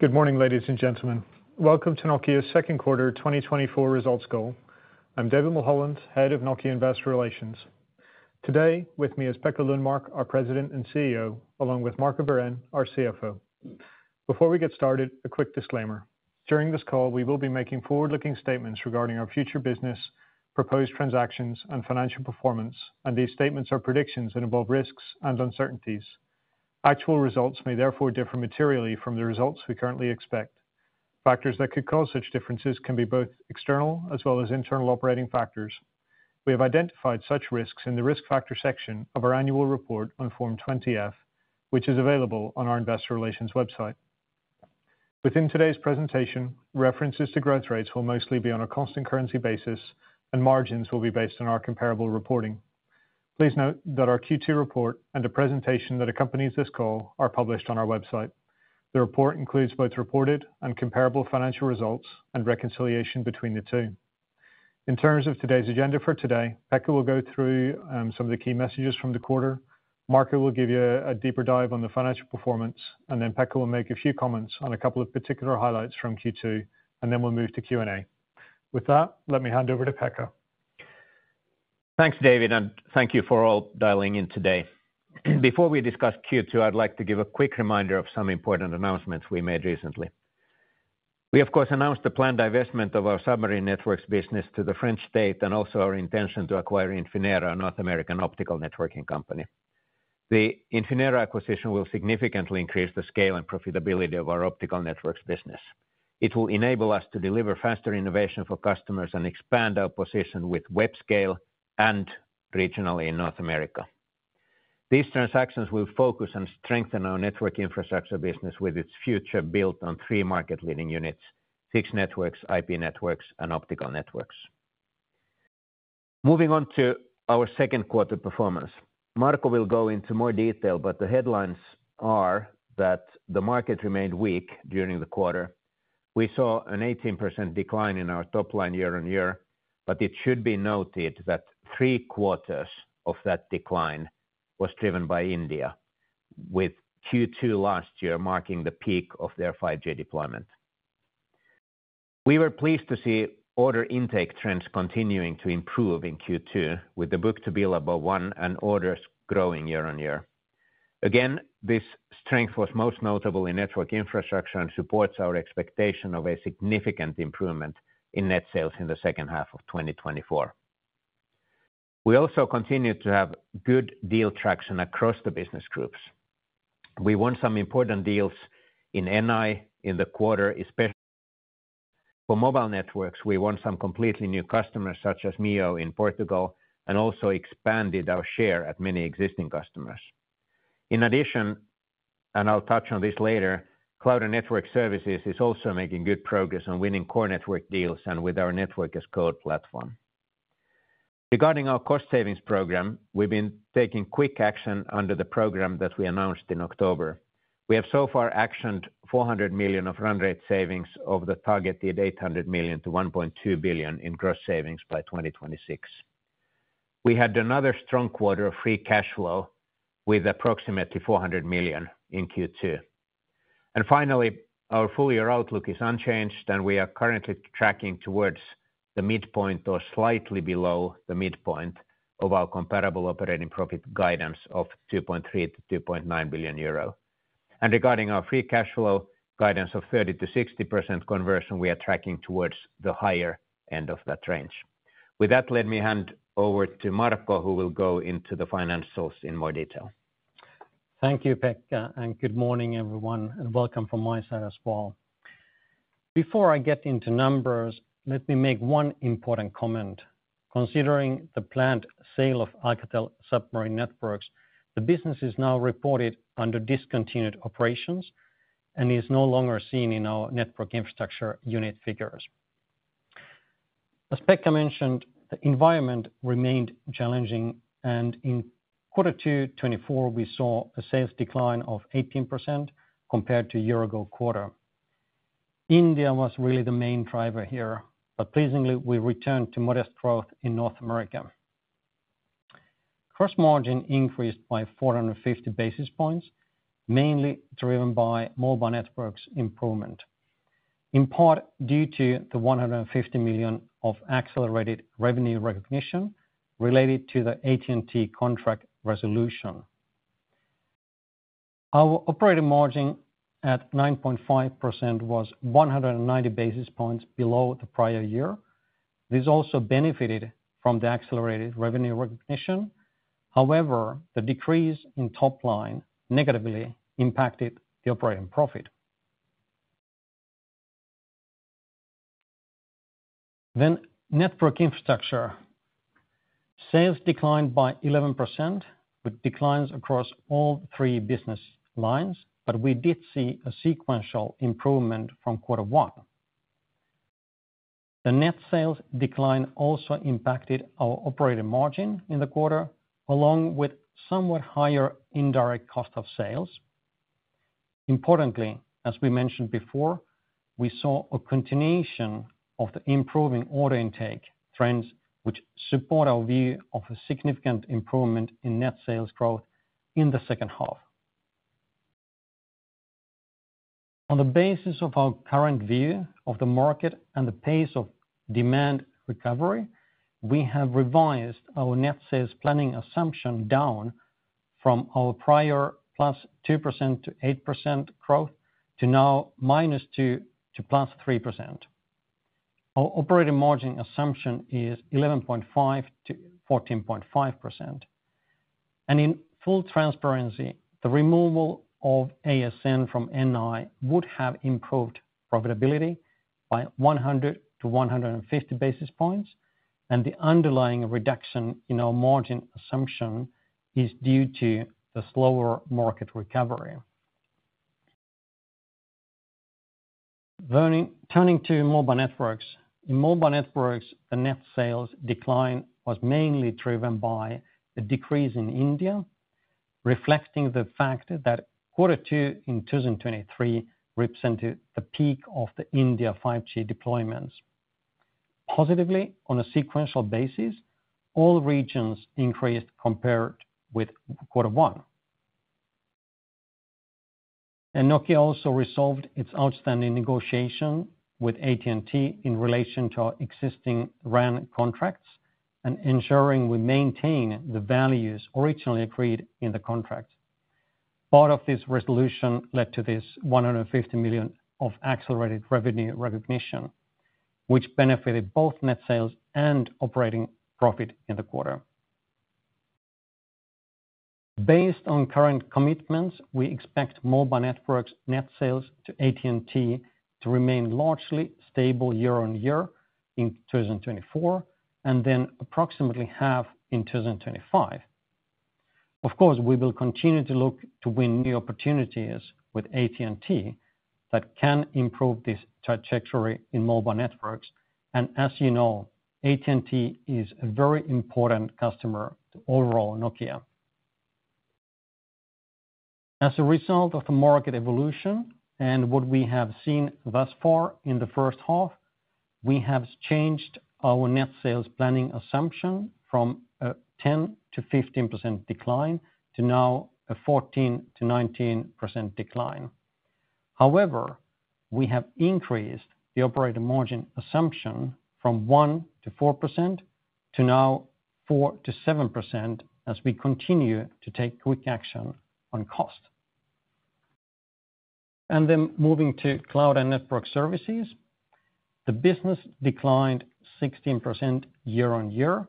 Good morning, ladies and gentlemen. Welcome to Nokia's second quarter 2024 results call. I'm David Mulholland, Head of Nokia Investor Relations. Today, with me is Pekka Lundmark, our President and CEO, along with Marco Wirén, our CFO. Before we get started, a quick disclaimer: During this call, we will be making forward-looking statements regarding our future business, proposed transactions, and financial performance, and these statements are predictions and involve risks and uncertainties. Actual results may therefore differ materially from the results we currently expect. Factors that could cause such differences can be both external as well as internal operating factors. We have identified such risks in the risk factors section of our annual report on Form 20-F, which is available on our investor relations website. Within today's presentation, references to growth rates will mostly be on a constant currency basis, and margins will be based on our comparable reporting. Please note that our Q2 report and the presentation that accompanies this call are published on our website. The report includes both reported and comparable financial results and reconciliation between the two. In terms of today's agenda for today, Pekka will go through some of the key messages from the quarter. Marco will give you a deeper dive on the financial performance, and then Pekka will make a few comments on a couple of particular highlights from Q2, and then we'll move to Q and A. With that, let me hand over to Pekka. Thanks, David, and thank you for all dialing in today. Before we discuss Q2, I'd like to give a quick reminder of some important announcements we made recently. We, of course, announced the planned divestment of our submarine networks business to the French state and also our intention to acquire Infinera, a North American optical networking company. The Infinera acquisition will significantly increase the scale and profitability of our Optical Networks business. It will enable us to deliver faster innovation for customers and expand our position with web scale and regionally in North America. These transactions will focus and strengthen our Network Infrastructure business with its future built on three market-leading units: Fixed Networks, IP networks, and Optical Networks. Moving on to our second quarter performance. Marco will go into more detail, but the headlines are that the market remained weak during the quarter. We saw an 18% decline in our top line year-on-year, but it should be noted that three quarters of that decline was driven by India, with Q2 last year marking the peak of their 5G deployment. We were pleased to see order intake trends continuing to improve in Q2, with the book-to-bill above 1 and orders growing year-on-year. Again, this strength was most notable in Network Infrastructure and supports our expectation of a significant improvement in net sales in the second half of 2024. We also continued to have good deal traction across the business groups. We won some important deals in NI in the quarter, especially. For Mobile Networks, we won some completely new customers, such as MEO in Portugal, and also expanded our share at many existing customers. In addition, and I'll touch on this later, Cloud and Network Services is also making good progress on winning core network deals and with our Network as Code platform. Regarding our cost savings program, we've been taking quick action under the program that we announced in October. We have so far actioned 400 million of run rate savings over the targeted 800 million-1.2 billion in gross savings by 2026. We had another strong quarter of free cash flow with approximately 400 million in Q2. Finally, our full year outlook is unchanged, and we are currently tracking towards the midpoint or slightly below the midpoint of our comparable operating profit guidance of 2.3 billion-2.9 billion euro. Regarding our free cash flow guidance of 30%-60% conversion, we are tracking towards the higher end of that range. With that, let me hand over to Marco, who will go into the financials in more detail. Thank you, Pekka, and good morning, everyone, and welcome from my side as well. Before I get into numbers, let me make one important comment. Considering the planned sale of Alcatel Submarine Networks, the business is now reported under discontinued operations and is no longer seen in our Network Infrastructure unit figures. As Pekka mentioned, the environment remained challenging, and in Q2 2024, we saw a sales decline of 18% compared to a year-ago quarter. India was really the main driver here, but pleasingly, we returned to modest growth in North America. Gross margin increased by 450 basis points, mainly driven by Mobile Networks improvement, in part due to the 150 million of accelerated revenue recognition related to the AT&T contract resolution. Our operating margin at 9.5% was 190 basis points below the prior year. This also benefited from the accelerated revenue recognition. However, the decrease in top line negatively impacted the operating profit. Then Network Infrastructure sales declined by 11%, with declines across all three business lines, but we did see a sequential improvement from quarter one. The net sales decline also impacted our operating margin in the quarter, along with somewhat higher indirect cost of sales. Importantly, as we mentioned before. We saw a continuation of the improving order intake trends, which support our view of a significant improvement in net sales growth in the second half. On the basis of our current view of the market and the pace of demand recovery, we have revised our net sales planning assumption down from our prior +2% to 8% growth to now -2% to +3%. Our operating margin assumption is 11.5%-14.5%. And in full transparency, the removal of ASN from NI would have improved profitability by 100-150 basis points, and the underlying reduction in our margin assumption is due to the slower market recovery. Turning to Mobile Networks. In Mobile Networks, the net sales decline was mainly driven by the decrease in India, reflecting the fact that quarter two in 2023 represented the peak of the India 5G deployments. Positively, on a sequential basis, all regions increased compared with quarter one. And Nokia also resolved its outstanding negotiation with AT&T in relation to our existing RAN contracts and ensuring we maintain the values originally agreed in the contract. Part of this resolution led to 150 million of accelerated revenue recognition, which benefited both net sales and operating profit in the quarter. Based on current commitments, we expect Mobile Networks net sales to AT&T to remain largely stable year-on-year in 2024, and then approximately half in 2025. Of course, we will continue to look to win new opportunities with AT&T that can improve this trajectory in Mobile Networks. And as you know, AT&T is a very important customer to overall Nokia. As a result of the market evolution and what we have seen thus far in the first half, we have changed our net sales planning assumption from a 10%-15% decline to now a 14%-19% decline. However, we have increased the operating margin assumption from 1%-4% to now 4%-7%, as we continue to take quick action on cost. And then moving to Cloud and Network Services. The business declined 16% year-on-year,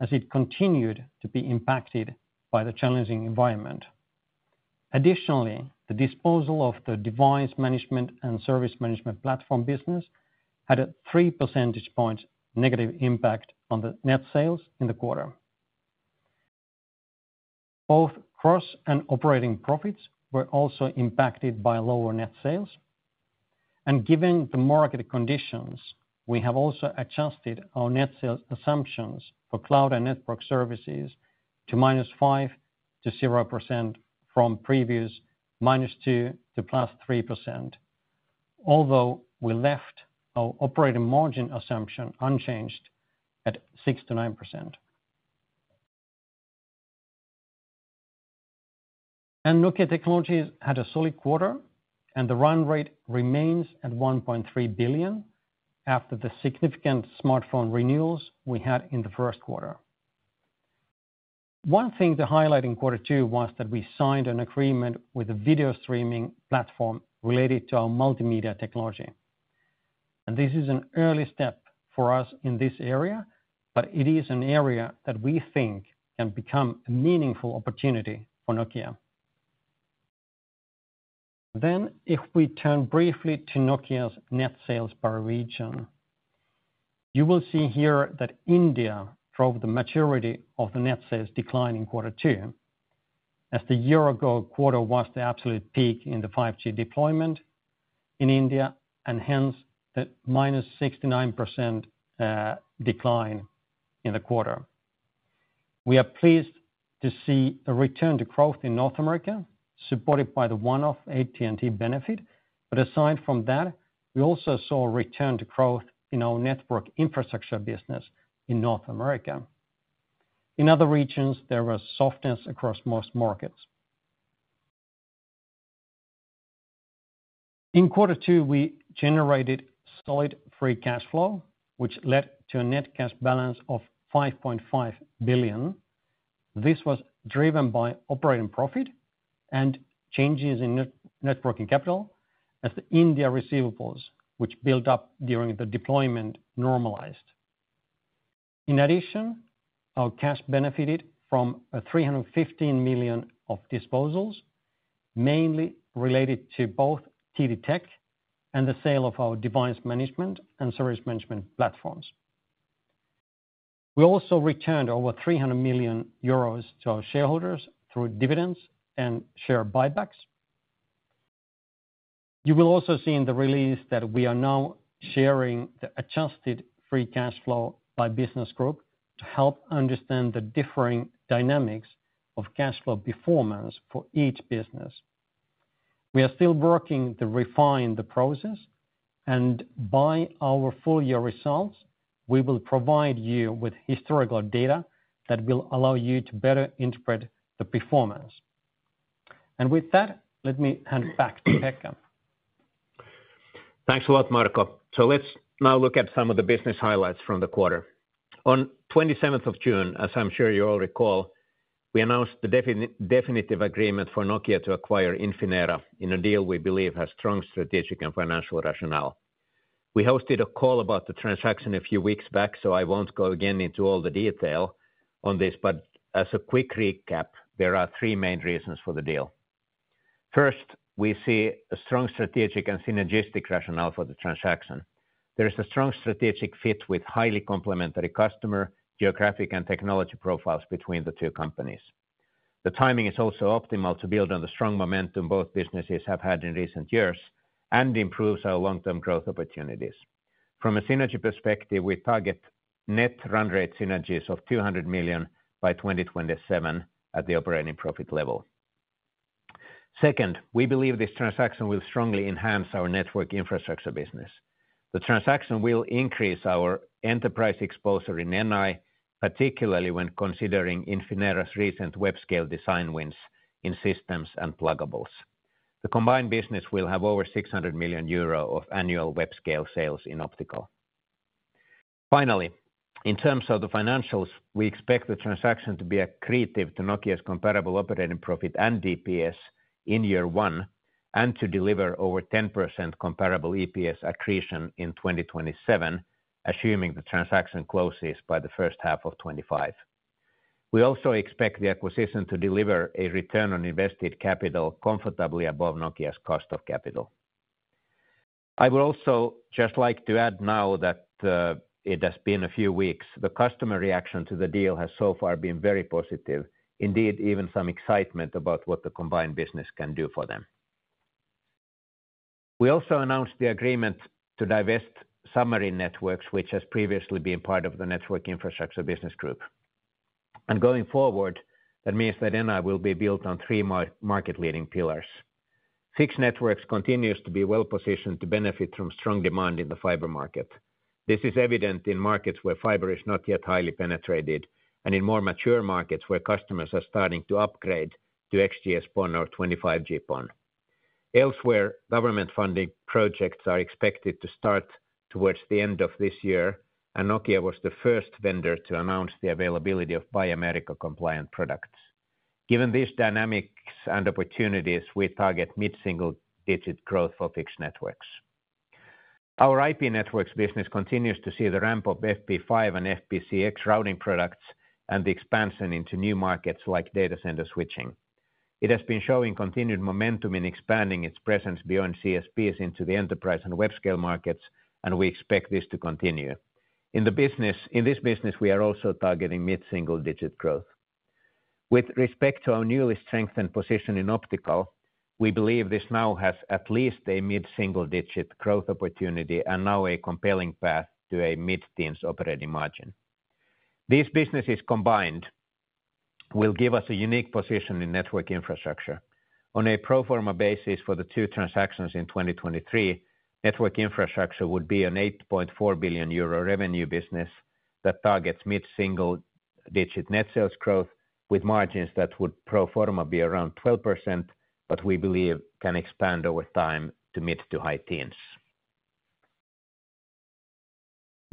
as it continued to be impacted by the challenging environment. Additionally, the disposal of the device management and service management platform business had a 3 percentage point negative impact on the net sales in the quarter. Both gross and operating profits were also impacted by lower net sales. And given the market conditions, we have also adjusted our net sales assumptions for Cloud and Network Services to -5%-0% from previous -2% to +3%, although we left our operating margin assumption unchanged at 6%-9%. Nokia Technologies had a solid quarter, and the run rate remains at 1.3 billion after the significant smartphone renewals we had in the first quarter. One thing to highlight in quarter two was that we signed an agreement with a video streaming platform related to our multimedia technology. And this is an early step for us in this area, but it is an area that we think can become a meaningful opportunity for Nokia. If we turn briefly to Nokia's net sales by region, you will see here that India drove the majority of the net sales decline in quarter two, as the year-ago quarter was the absolute peak in the 5G deployment in India, and hence the -69% decline in the quarter. We are pleased to see a return to growth in North America, supported by the one-off AT&T benefit. But aside from that, we also saw a return to growth in our Network Infrastructure business in North America. In other regions, there was softness across most markets. In quarter two, we generated solid free cash flow, which led to a net cash balance of 5.5 billion. This was driven by operating profit and changes in net working capital as the India receivables, which built up during the deployment, normalized. In addition, our cash benefited from 315 million of disposals, mainly related to both TD Tech and the sale of our device management and service management platforms. We also returned over 300 million euros to our shareholders through dividends and share buybacks. You will also see in the release that we are now sharing the adjusted free cash flow by business group. to help understand the differing dynamics of cash flow performance for each business. We are still working to refine the process, and by our full year results, we will provide you with historical data that will allow you to better interpret the performance. With that, let me hand back to Pekka. Thanks a lot, Marco. Let's now look at some of the business highlights from the quarter. On 27th of June, as I'm sure you all recall, we announced the definitive agreement for Nokia to acquire Infinera, in a deal we believe has strong strategic and financial rationale. We hosted a call about the transaction a few weeks back, so I won't go again into all the detail on this, but as a quick recap, there are three main reasons for the deal. First, we see a strong strategic and synergistic rationale for the transaction. There is a strong strategic fit with highly complementary customer, geographic, and technology profiles between the two companies. The timing is also optimal to build on the strong momentum both businesses have had in recent years, and improves our long-term growth opportunities. From a synergy perspective, we target net run rate synergies of 200 million by 2027 at the operating profit level. Second, we believe this transaction will strongly enhance our Network Infrastructure business. The transaction will increase our enterprise exposure in NI, particularly when considering Infinera's recent web-scale design wins in systems and pluggables. The combined business will have over 600 million euro of annual web-scale sales in Optical. Finally, in terms of the financials, we expect the transaction to be accretive to Nokia's comparable operating profit and DPS in year one, and to deliver over 10% comparable EPS accretion in 2027, assuming the transaction closes by the first half of 2025. We also expect the acquisition to deliver a return on invested capital comfortably above Nokia's cost of capital. I would also just like to add now that it has been a few weeks. The customer reaction to the deal has so far been very positive, indeed, even some excitement about what the combined business can do for them. We also announced the agreement to divest submarine networks, which has previously been part of the Network Infrastructure Business Group. And going forward, that means that NI will be built on three market leading pillars. Fixed Networks continues to be well positioned to benefit from strong demand in the fiber market. This is evident in markets where fiber is not yet highly penetrated, and in more mature markets where customers are starting to upgrade to XGS-PON or 25G PON. Elsewhere, government funding projects are expected to start towards the end of this year, and Nokia was the first vendor to announce the availability of Buy America compliant products. Given these dynamics and opportunities, we target mid-single digit growth for Fixed Networks. Our IP Networks business continues to see the ramp of FP5 and FPcx routing products, and the expansion into new markets like data center switching. It has been showing continued momentum in expanding its presence beyond CSPs into the enterprise and web-scale markets, and we expect this to continue. In this business, we are also targeting mid-single digit growth. With respect to our newly strengthened position in Optical, we believe this now has at least a mid-single digit growth opportunity, and now a compelling path to a mid-teens operating margin. These businesses combined will give us a unique position in Network Infrastructure. On a pro forma basis for the two transactions in 2023, Network Infrastructure would be an 8.4 billion euro revenue business that targets mid-single-digit net sales growth, with margins that would pro forma be around 12%, but we believe can expand over time to mid- to high teens.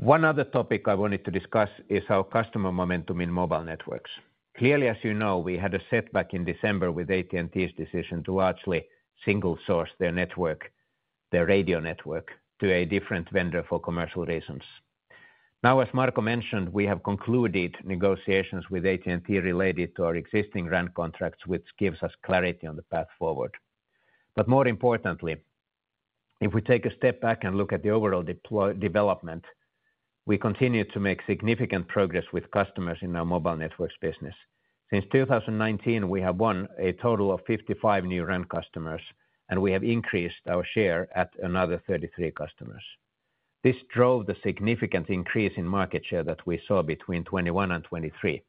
One other topic I wanted to discuss is our customer momentum in Mobile Networks. Clearly, as you know, we had a setback in December with AT&T's decision to largely single-source their network, their radio network, to a different vendor for commercial reasons. Now, as Marco mentioned, we have concluded negotiations with AT&T related to our existing RAN contracts, which gives us clarity on the path forward. But more importantly, if we take a step back and look at the overall development, we continue to make significant progress with customers in our Mobile Networks business. Since 2019, we have won a total of 55 new RAN customers, and we have increased our share at another 33 customers. This drove the significant increase in market share that we saw between 2021 and 2023.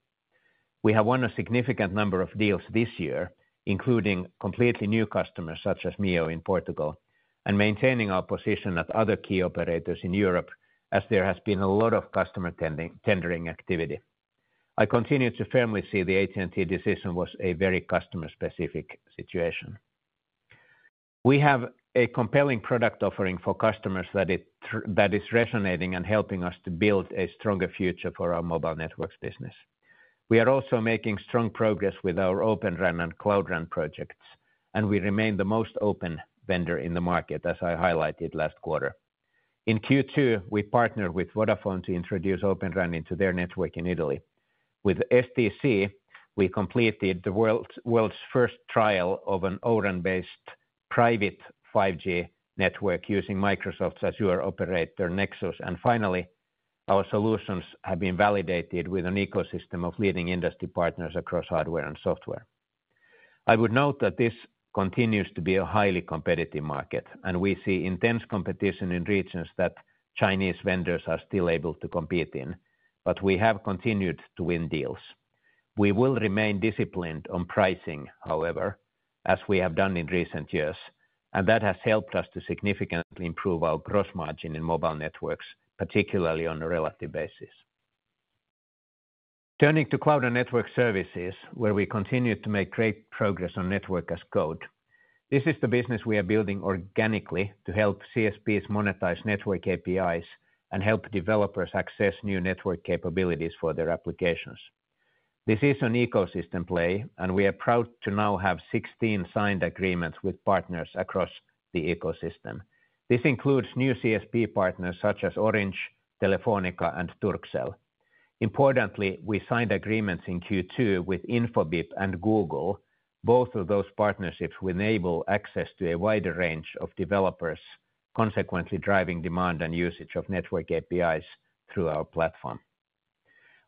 We have won a significant number of deals this year, including completely new customers, such as MEO in Portugal, and maintaining our position at other key operators in Europe, as there has been a lot of customer tendering, tendering activity. I continue to firmly see the AT&T decision was a very customer-specific situation. We have a compelling product offering for customers that is resonating and helping us to build a stronger future for our Mobile Networks business. We are also making strong progress with our Open RAN and Cloud RAN projects, and we remain the most open vendor in the market, as I highlighted last quarter. In Q2, we partnered with Vodafone to introduce Open RAN into their network in Italy. With STC, we completed the world's first trial of an O-RAN based private 5G network using Microsoft's Azure Operator Nexus. And finally, our solutions have been validated with an ecosystem of leading industry partners across hardware and software. I would note that this continues to be a highly competitive market, and we see intense competition in regions that Chinese vendors are still able to compete in, but we have continued to win deals. We will remain disciplined on pricing, however, as we have done in recent years, and that has helped us to significantly improve our gross margin in Mobile Networks, particularly on a relative basis. Turning to Cloud and Network Services where we continue to make great progress on Network as Code. This is the business we are building organically to help CSPs monetize network APIs and help developers access new network capabilities for their applications. This is an ecosystem play, and we are proud to now have 16 signed agreements with partners across the ecosystem. This includes new CSP Partners such as Orange, Telefónica, and Turkcell. Importantly, we signed agreements in Q2 with Infobip and Google. Both of those partnerships will enable access to a wider range of developers, consequently driving demand and usage of network APIs through our platform.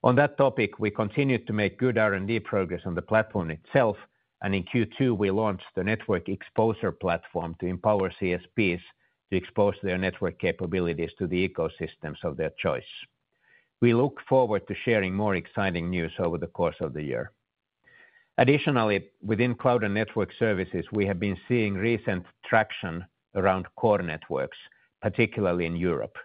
On that topic, we continued to make good R&D progress on the platform itself, and in Q2, we launched the Network Exposure Platform to empower CSPs to expose their network capabilities to the ecosystems of their choice. We look forward to sharing more exciting news over the course of the year. Additionally, within Cloud and Network Services, we have been seeing recent traction around core networks, particularly in Europe.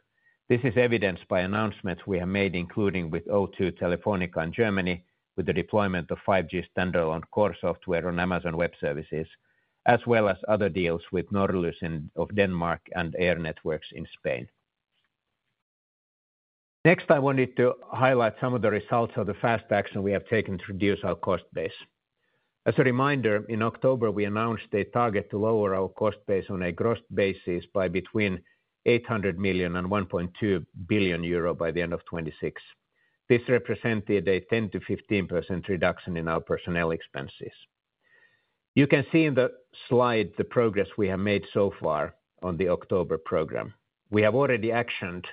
This is evidenced by announcements we have made, including with O2 Telefónica in Germany, with the deployment of 5G Standalone Core software on Amazon Web Services, as well as other deals with Norlys of Denmark and Aire Networks in Spain. Next, I wanted to highlight some of the results of the fast action we have taken to reduce our cost base. As a reminder, in October, we announced a target to lower our cost base on a gross basis by between 800 million and 1.2 billion euro by the end of 2026. This represented a 10%-15% reduction in our personnel expenses. You can see in the slide the progress we have made so far on the October program. We have already actioned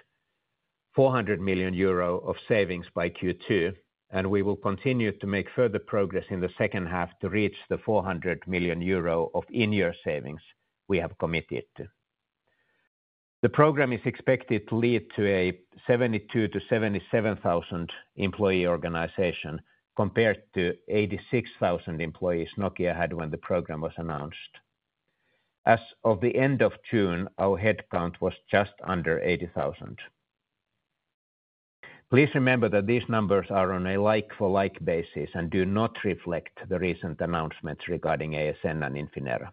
400 million euro of savings by Q2, and we will continue to make further progress in the second half to reach the 400 million euro of in-year savings we have committed to. The program is expected to lead to a 72,000-77,000 employee organization, compared to 86,000 employees Nokia had when the program was announced. As of the end of June, our headcount was just under 80,000. Please remember that these numbers are on a like-for-like basis and do not reflect the recent announcements regarding ASN and Infinera.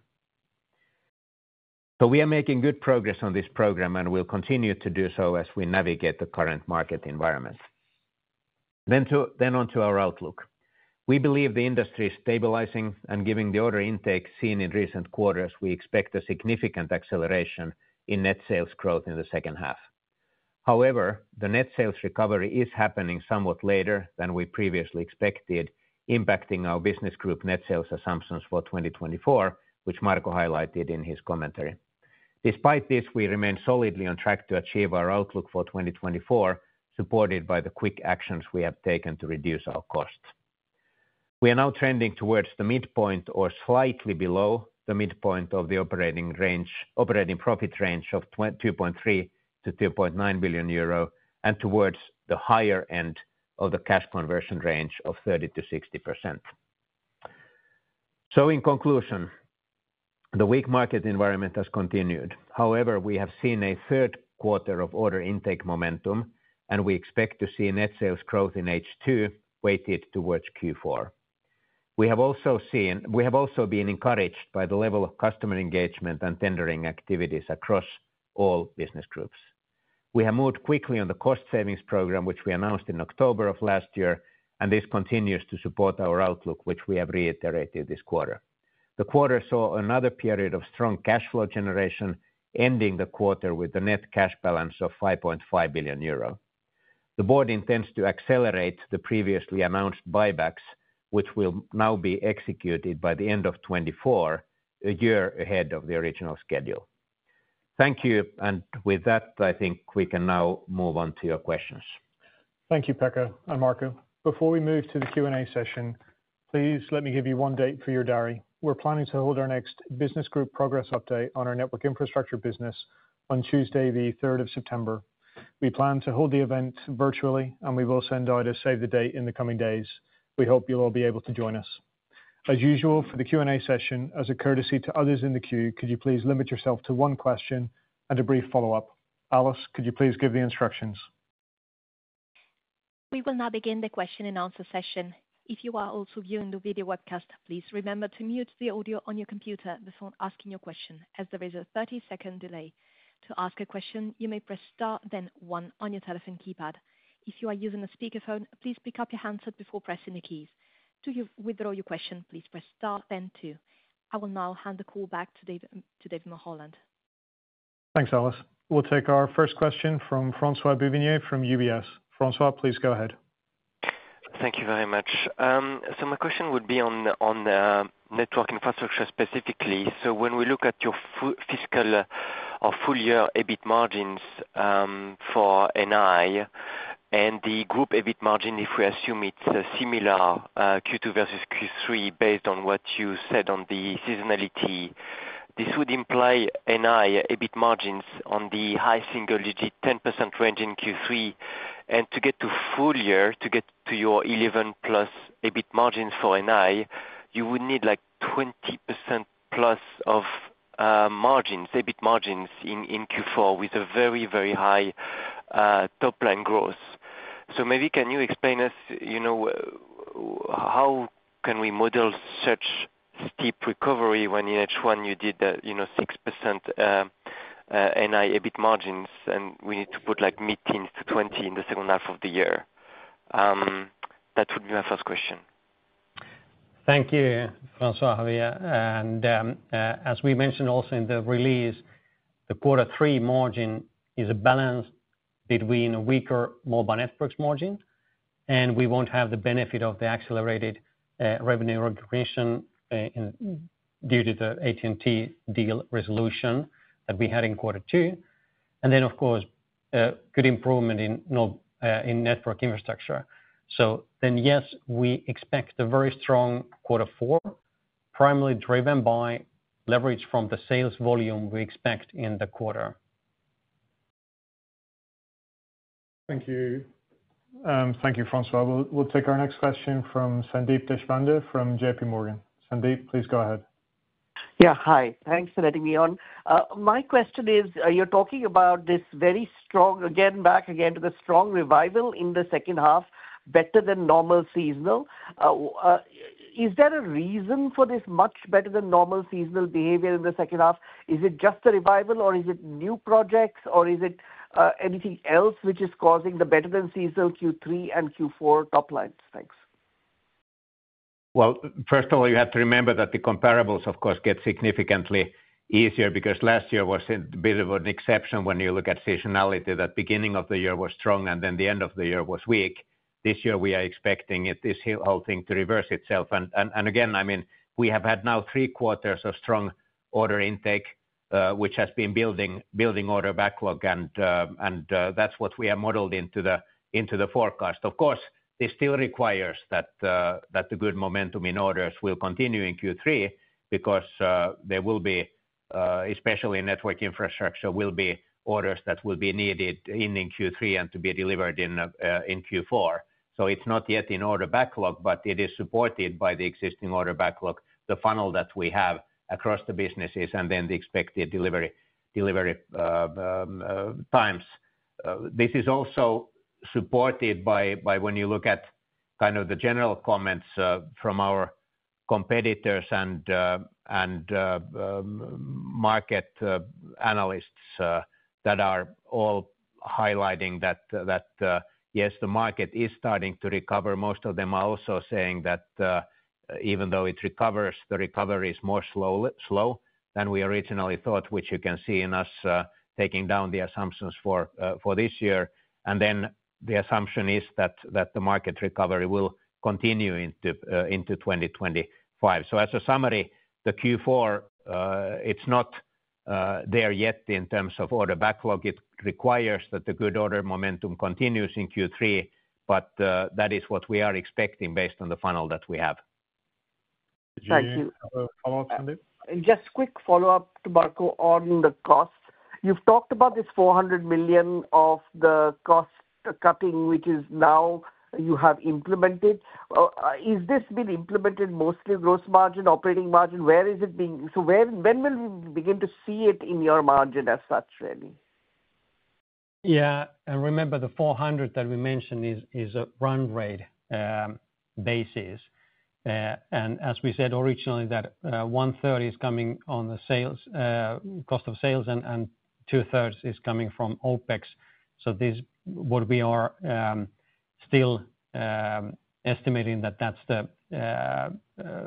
So we are making good progress on this program, and we'll continue to do so as we navigate the current market environment. Then on to our outlook. We believe the industry is stabilizing, and given the order intake seen in recent quarters, we expect a significant acceleration in net sales growth in the second half. However, the net sales recovery is happening somewhat later than we previously expected, impacting our business group net sales assumptions for 2024, which Marco highlighted in his commentary. Despite this, we remain solidly on track to achieve our outlook for 2024, supported by the quick actions we have taken to reduce our costs. We are now trending towards the midpoint or slightly below the midpoint of the operating range, operating profit range of 2.3 billion-2.9 billion euro and towards the higher end of the cash conversion range of 30%-60%. In conclusion, the weak market environment has continued. However, we have seen a third quarter of order intake momentum, and we expect to see net sales growth in H2 weighted towards Q4. We have also been encouraged by the level of customer engagement and tendering activities across all business groups. We have moved quickly on the cost savings program, which we announced in October of last year, and this continues to support our outlook, which we have reiterated this quarter. The quarter saw another period of strong cash flow generation, ending the quarter with a net cash balance of 5.5 billion euro. The board intends to accelerate the previously announced buybacks, which will now be executed by the end of 2024, a year ahead of the original schedule. Thank you, and with that, I think we can now move on to your questions. Thank you, Pekka and Marco. Before we move to the Q and A session, please let me give you one date for your diary. We're planning to hold our next business group progress update on our Network Infrastructure business on Tuesday, the 3rd of September. We plan to hold the event virtually, and we will send out a save the date in the coming days. We hope you'll all be able to join us. As usual, for the Q and A session, as a courtesy to others in the queue, could you please limit yourself to one question and a brief follow-up? Alice, could you please give the instructions? We will now begin the question and answer session. If you are also viewing the video webcast, please remember to mute the audio on your computer before asking your question, as there is a 30-second delay. To ask a question, you may press star then one on your telephone keypad. If you are using a speakerphone, please pick up your handset before pressing the keys. To withdraw your question, please press star then two. I will now hand the call back to Dave, to David Mulholland. Thanks, Alice. We'll take our first question from Francois Bouvier from UBS. Francois, please go ahead. Thank you very much. So my question would be on Network Infrastructure specifically. So when we look at your fiscal or full-year EBIT margins for NI and the group EBIT margin, if we assume it's similar Q2 versus Q3, based on what you said on the seasonality, this would imply NI EBIT margins on the high single-digit 10% range in Q3. And to get to full year, to get to your 11+ EBIT margin for NI, you would need like 20%+ of margins, EBIT margins in Q4 with a very, very high top line growth. So maybe can you explain us, you know, how can we model such steep recovery when in H1 you did, you know, 6%, NI EBIT margins, and we need to put like mid-teens to 20 in the second half of the year? That would be my first question. Thank you, Francois. And, as we mentioned also in the release, the quarter three margin is a balance between a weaker Mobile Networks margin, and we won't have the benefit of the accelerated revenue recognition due to the AT&T deal resolution that we had in quarter two. And then, of course, a good improvement in Network Infrastructure. So then, yes, we expect a very strong quarter four, primarily driven by leverage from the sales volume we expect in the quarter. Thank you. Thank you, Francois. We'll take our next question from Sandeep Deshpande, from JPMorgan. Sandeep, please go ahead. Yeah, hi. Thanks for letting me on. My question is, are you talking about this very strong again, back again, to the strong revival in the second half, better than normal seasonal? Is there a reason for this much better than normal seasonal behavior in the second half? Is it just a revival, or is it new projects, or is it anything else which is causing the better than seasonal Q3 and Q4 top lines? Thanks. Well, first of all, you have to remember that the comparables, of course, get significantly easier, because last year was a bit of an exception when you look at seasonality. That beginning of the year was strong, and then the end of the year was weak. This year we are expecting it, this whole thing to reverse itself. And again, I mean, we have had now three quarters of strong order intake, which has been building order backlog and that's what we have modeled into the forecast. Of course, this still requires that the good momentum in orders will continue in Q3, because there will be, especially in Network Infrastructure, orders that will be needed ending Q3 and to be delivered in Q4. So it's not yet in order backlog, but it is supported by the existing order backlog, the funnel that we have across the businesses and then the expected delivery times. This is also supported by when you look at kind of the general comments from our competitors and market analysts that are all highlighting that yes, the market is starting to recover. Most of them are also saying that even though it recovers, the recovery is more slow than we originally thought, which you can see in us taking down the assumptions for this year. And then the assumption is that the market recovery will continue into 2025. So as a summary, the Q4 it's not there yet in terms of order backlog. It requires that the good order momentum continues in Q3, but that is what we are expecting based on the funnel that we have. Thank you. Follow-up, Sandeep? Just a quick follow-up to Marco on the costs. You've talked about this 400 million of the cost cutting, which is now you have implemented. Is this been implemented mostly gross margin, operating margin? Where is it being... So where, when will we begin to see it in your margin as such, really? Yeah, and remember, the 400 that we mentioned is a run rate basis. And as we said originally, that 1/3 is coming on the sales cost of sales, and 2/3 is coming from OpEx. So this, what we are still estimating that that's the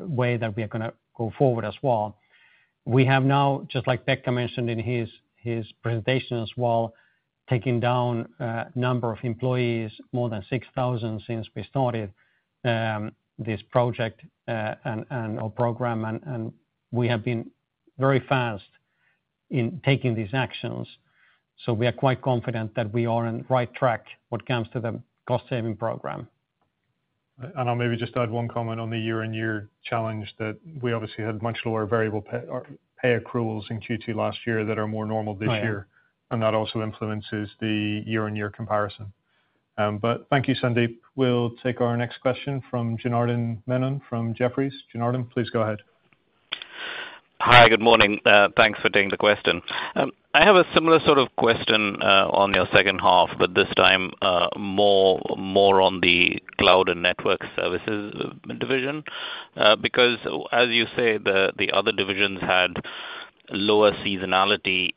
way that we are gonna go forward as well. We have now, just like Pekka mentioned in his presentation as well, taking down a number of employees, more than 6,000 since we started this project and/or program. And we have been very fast in taking these actions, so we are quite confident that we are on right track when it comes to the cost saving program. And I'll maybe just add one comment on the year-on-year challenge, that we obviously had much lower variable pay or pay accruals in Q2 last year that are more normal this year- Right. That also influences the year-on-year comparison. But thank you, Sandeep. We'll take our next question from Janardan Menon from Jefferies. Janardhan, please go ahead. Hi, good morning. Thanks for taking the question. I have a similar sort of question on your second half, but this time more on the Cloud and Network Services Division. Because as you say, the other divisions had lower seasonality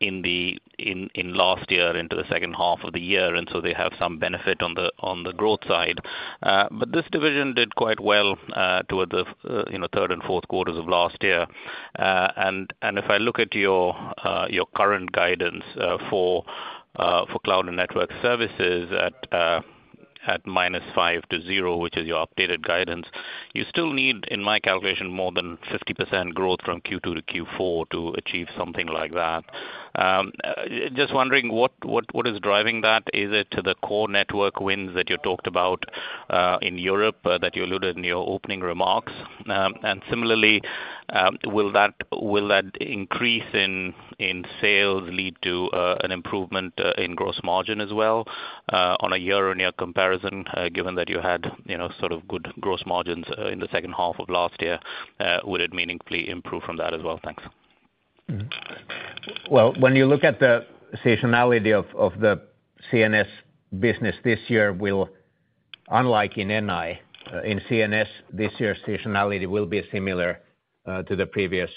in last year into the second half of the year, and so they have some benefit on the growth side. But this division did quite well towards the, you know, third and fourth quarters of last year. If I look at your current guidance for Cloud and Network Services at, at -5% to 0%, which is your updated guidance, you still need, in my calculation, more than 50% growth from Q2 to Q4 to achieve something like that. Just wondering what, what, what is driving that? Is it to the core network wins that you talked about in Europe that you alluded in your opening remarks? And similarly, will that increase in sales lead to an improvement in gross margin as well on a year-on-year comparison, given that you had, you know, sort of good gross margins in the second half of last year, would it meaningfully improve from that as well? Thanks. Well, when you look at the seasonality of the CNS business, this year will, unlike in NI, in CNS, this year's seasonality will be similar to the previous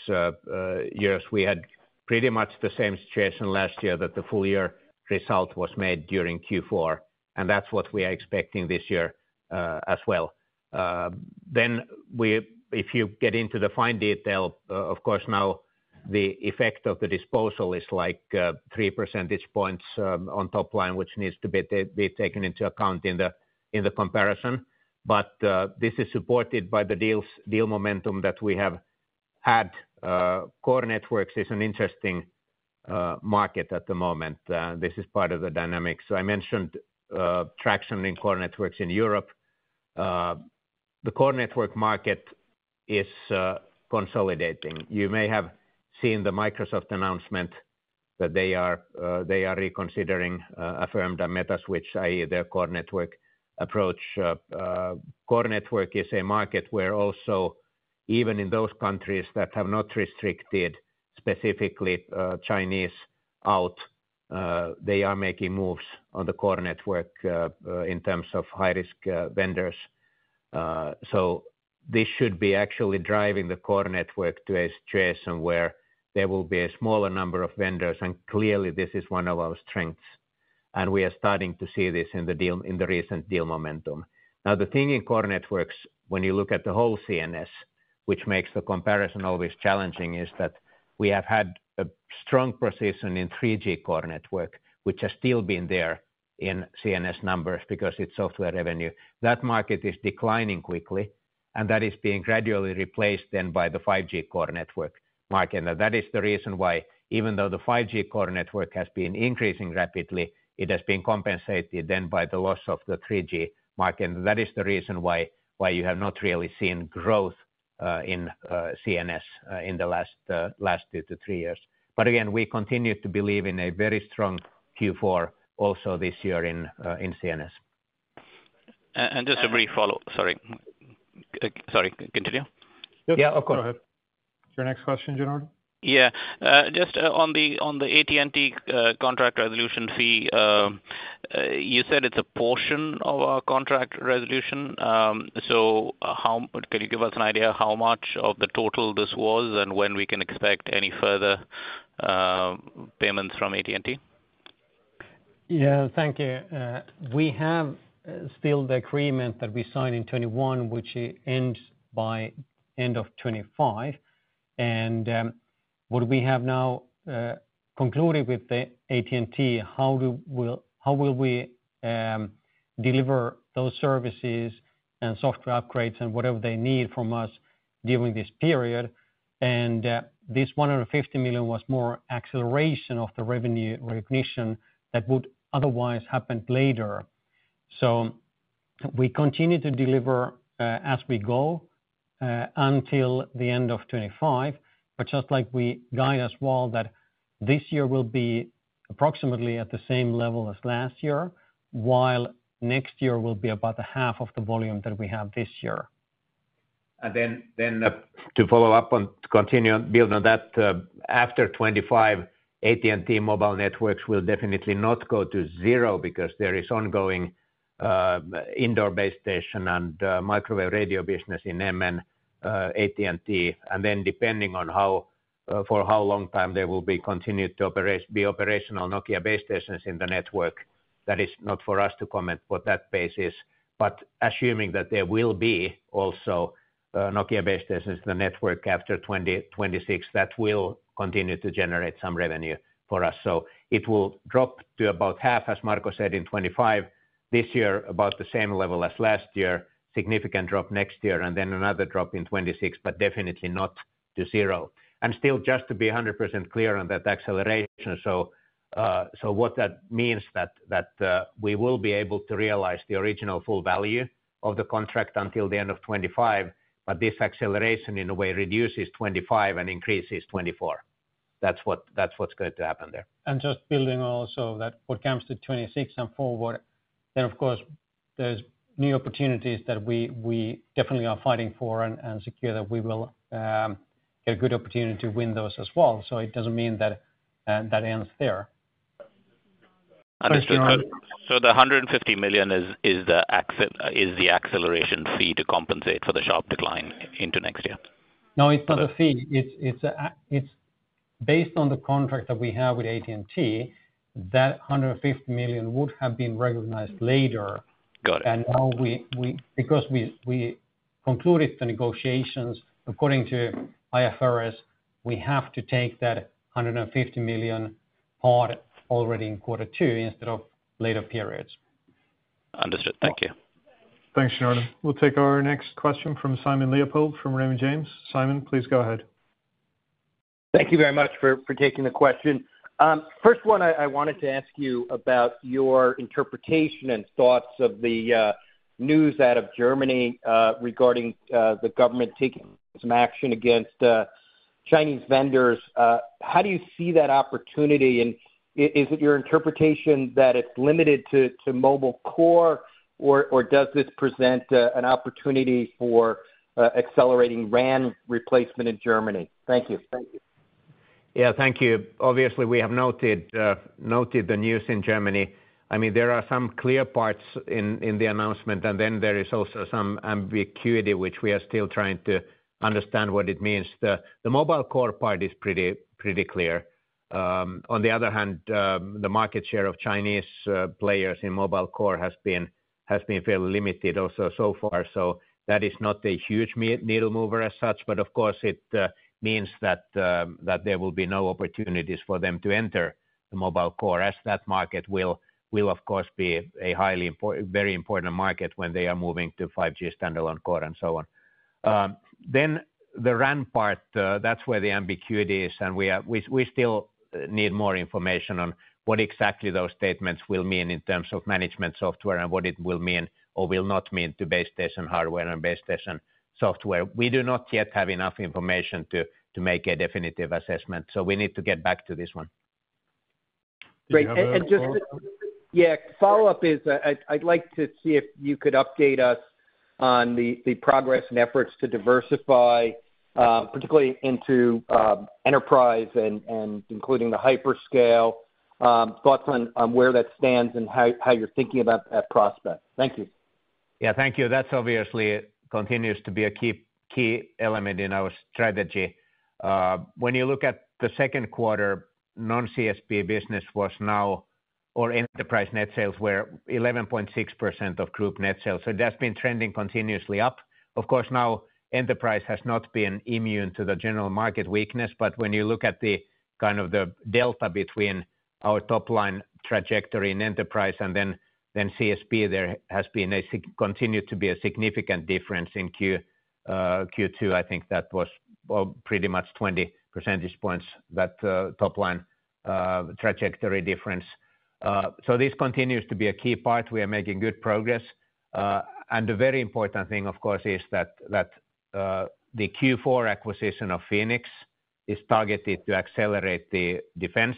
years. We had pretty much the same situation last year that the full year result was made during Q4, and that's what we are expecting this year as well. Then, if you get into the fine detail, of course now, the effect of the disposal is like three percentage points on top line, which needs to be taken into account in the comparison. But this is supported by the deals, deal momentum that we have had. Core networks is an interesting market at the moment, and this is part of the dynamic. So I mentioned traction in core networks in Europe. The core network market is consolidating. You may have seen the Microsoft announcement that they are reconsidering Affirmed, Metaswitch, i.e., their core network approach. Core Network is a market where also, even in those countries that have not restricted specifically Chinese out, they are making moves on the core network in terms of high-risk vendors. So this should be actually driving the core network to a situation where there will be a smaller number of vendors, and clearly, this is one of our strengths, and we are starting to see this in the recent deal momentum. Now, the thing in Core Networks, when you look at the whole CNS, which makes the comparison always challenging, is that we have had a strong position in 3G Core Network, which has still been there in CNS numbers because it's software revenue. That market is declining quickly, and that is being gradually replaced then by the 5G Core Network market. Now, that is the reason why, even though the 5G Core Network has been increasing rapidly, it has been compensated then by the loss of the 3G market. And that is the reason why, why you have not really seen growth, in, CNS, in the last, last 2-3 years. But again, we continue to believe in a very strong Q4 also this year in, in CNS. Just a brief follow-up. Sorry. Sorry, continue. Yeah, of course. Go ahead. Your next question, Janardan? Yeah. Just on the AT&T contract resolution fee, you said it's a portion of our contract resolution. So, how can you give us an idea how much of the total this was, and when we can expect any further payments from AT&T? Yeah, thank you. We have still the agreement that we signed in 2021, which ends by end of 2025. What we have now concluded with AT&T is how we will deliver those services and software upgrades and whatever they need from us during this period. This 150 million was more acceleration of the revenue recognition that would otherwise happened later. We continue to deliver as we go until the end of 2025, but just like we guide as well, that this year will be approximately at the same level as last year, while next year will be about the half of the volume that we have this year. To follow up on, to continue building on that, after 2025, AT&T Mobile Networks will definitely not go to zero because there is ongoing indoor base station and microwave radio business in MN, AT&T. And then depending on how, for how long time they will be continued to be operational Nokia base stations in the network, that is not for us to comment what that basis is. But assuming that there will be also Nokia base stations in the network after 2026, that will continue to generate some revenue for us. So it will drop to about half, as Marco said, in 2025. This year, about the same level as last year, significant drop next year, and then another drop in 2026, but definitely not to zero. Still, just to be 100% clear on that acceleration, so, so what that means that, that, we will be able to realize the original full value of the contract until the end of 2025, but this acceleration in a way, reduces 2025 and increases 2024. That's what, that's what's going to happen there. Just building also that what comes to 2026 and forward, then of course, there's new opportunities that we definitely are fighting for and secure that we will get a good opportunity to win those as well. So it doesn't mean that ends there. So the 150 million is the acceleration fee to compensate for the sharp decline into next year? No, it's not a fee. It's based on the contract that we have with AT&T, that $150 million would have been recognized later. Got it. And now we—because we concluded the negotiations, according to IFRS, we have to take that 150 million hard already in quarter two instead of later periods. Understood. Thank you. Thanks, Jordan. We'll take our next question from Simon Leopold from Raymond James. Simon, please go ahead. Thank you very much for taking the question. First one, I wanted to ask you about your interpretation and thoughts of the news out of Germany regarding the government taking some action against Chinese vendors. How do you see that opportunity? And is it your interpretation that it's limited to mobile core, or does this present an opportunity for accelerating RAN replacement in Germany? Thank you. Thank you. Yeah, thank you. Obviously, we have noted the news in Germany. I mean, there are some clear parts in the announcement, and then there is also some ambiguity, which we are still trying to understand what it means. The mobile core part is pretty clear. On the other hand, the market share of Chinese players in mobile core has been fairly limited also so far. So that is not a huge needle mover as such, but of course, it means that there will be no opportunities for them to enter the mobile core, as that market will of course be a highly very important market when they are moving to 5G standalone core, and so on. Then the RAN part, that's where the ambiguity is, and we still need more information on what exactly those statements will mean in terms of management software, and what it will mean or will not mean to base station hardware and base station software. We do not yet have enough information to make a definitive assessment, so we need to get back to this one. Great. And just- Do you have a follow-up? Yeah, follow-up is, I'd, I'd like to see if you could update us on the, the progress and efforts to diversify, particularly into, enterprise and, and including the hyperscale. Thoughts on, on where that stands and how, how you're thinking about that prospect. Thank you. Yeah, thank you. That obviously continues to be a key, key element in our strategy. When you look at the second quarter, non-CSP business was now or enterprise net sales were 11.6% of group net sales, so that's been trending continuously up. Of course, now enterprise has not been immune to the general market weakness, but when you look at the, kind of the delta between our top line trajectory in enterprise and then then CSP, there continued to be a significant difference in Q2. I think that was, well, pretty much 20 percentage points, that top line trajectory difference. So this continues to be a key part. We are making good progress. And the very important thing, of course, is that, that, the Q4 acquisition of Fenix is targeted to accelerate the defense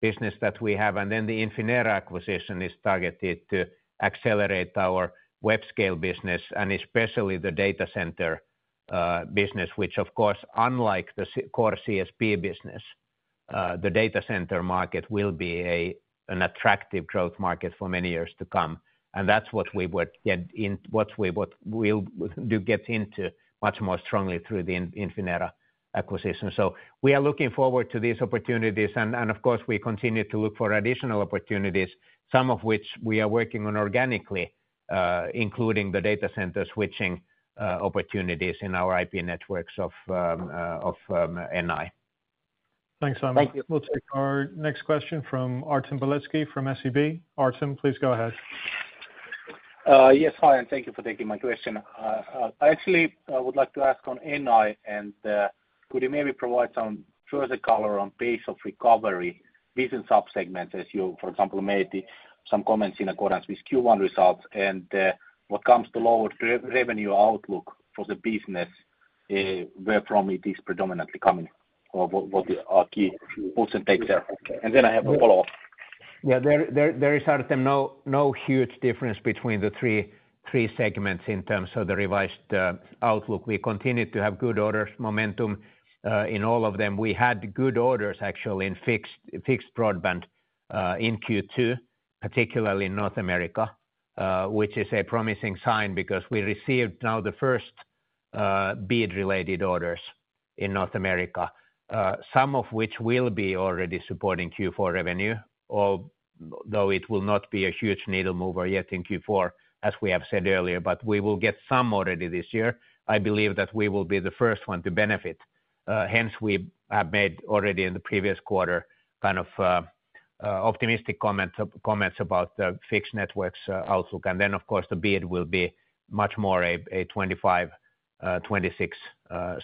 business that we have. And then the Infinera acquisition is targeted to accelerate our web scale business, and especially the data center, business, which, of course, unlike the 5G core CSP business, the data center market will be a, an attractive growth market for many years to come, and that's what we would get in, what we would, we'll do get into much more strongly through the Infinera acquisition. So we are looking forward to these opportunities, and, and of course, we continue to look for additional opportunities, some of which we are working on organically, including the data center switching, opportunities in our IP networks of, of, of, NI. Thanks, Simon. Thank you. We'll take our next question from Artem Beletski from SEB. Artem, please go ahead. Yes. Hi, and thank you for taking my question. Actually, I would like to ask on NI, and could you maybe provide some further color on pace of recovery within sub-segments, as you, for example, made some comments in accordance with Q1 results? And what comes to lower revenue outlook for the business, where from it is predominantly coming, or what are key puts and takes there? And then I have a follow-up. Yeah, there is, Artem, no huge difference between the three segments in terms of the revised outlook. We continue to have good orders momentum in all of them. We had good orders, actually, in fixed broadband in Q2, particularly in North America, which is a promising sign because we received now the first BEAD-related orders in North America, some of which will be already supporting Q4 revenue, although it will not be a huge needle mover yet in Q4, as we have said earlier. But we will get some already this year. I believe that we will be the first one to benefit. Hence, we have made already in the previous quarter kind of optimistic comments about the Fixed Networks outlook. Then, of course, the BEAD will be much more a 2025, 2026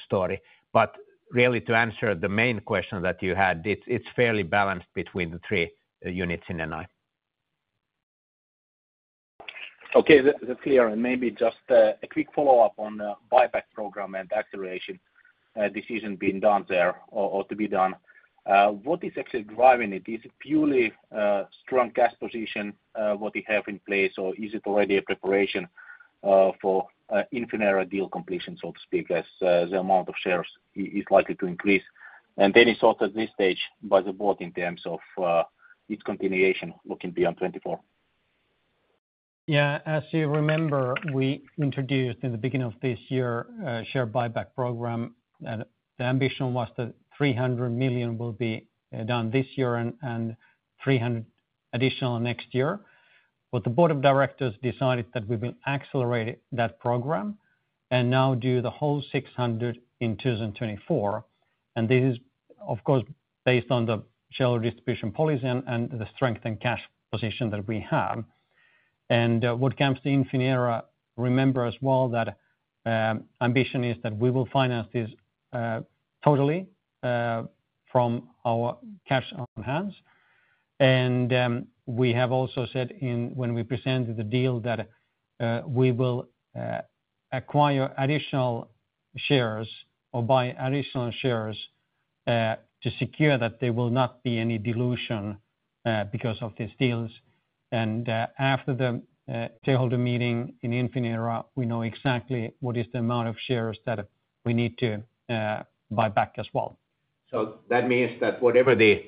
story. But really, to answer the main question that you had, it's fairly balanced between the three units in NI. Okay, that's clear. And maybe just a quick follow-up on the buyback program and acceleration decision being done there, or to be done. What is actually driving it? Is it purely strong cash position that you have in place, or is it already a preparation for Infinera deal completion, so to speak, as the amount of shares is likely to increase? And then, is it sorted at this stage by the board in terms of its continuation looking beyond 2024. Yeah. As you remember, we introduced in the beginning of this year a share buyback program. The ambition was that 300 million will be done this year and 300 million additional next year. But the board of directors decided that we will accelerate that program. And now do the whole 600 in 2024, and this is, of course, based on the shareholder distribution policy and the strength and cash position that we have. And what comes to Infinera, remember as well that ambition is that we will finance this totally from our cash on hands. And we have also said when we presented the deal, that we will acquire additional shares or buy additional shares to secure that there will not be any dilution because of these deals. And after the shareholder meeting in Infinera, we know exactly what is the amount of shares that we need to buy back as well. So that means that whatever the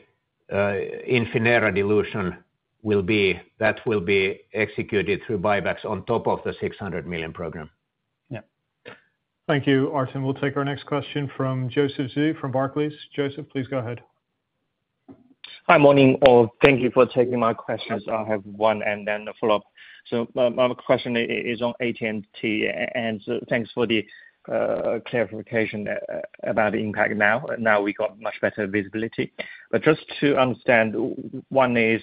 Infinera dilution will be, that will be executed through buybacks on top of the 600 million program. Yeah. Thank you, Artem. We'll take our next question from Joseph Zhou from Barclays. Joseph, please go ahead. Hi, morning, all. Thank you for taking my questions. I have one and then a follow-up. So my question is on AT&T, and so thanks for the clarification about the impact now, now we got much better visibility. But just to understand, one is,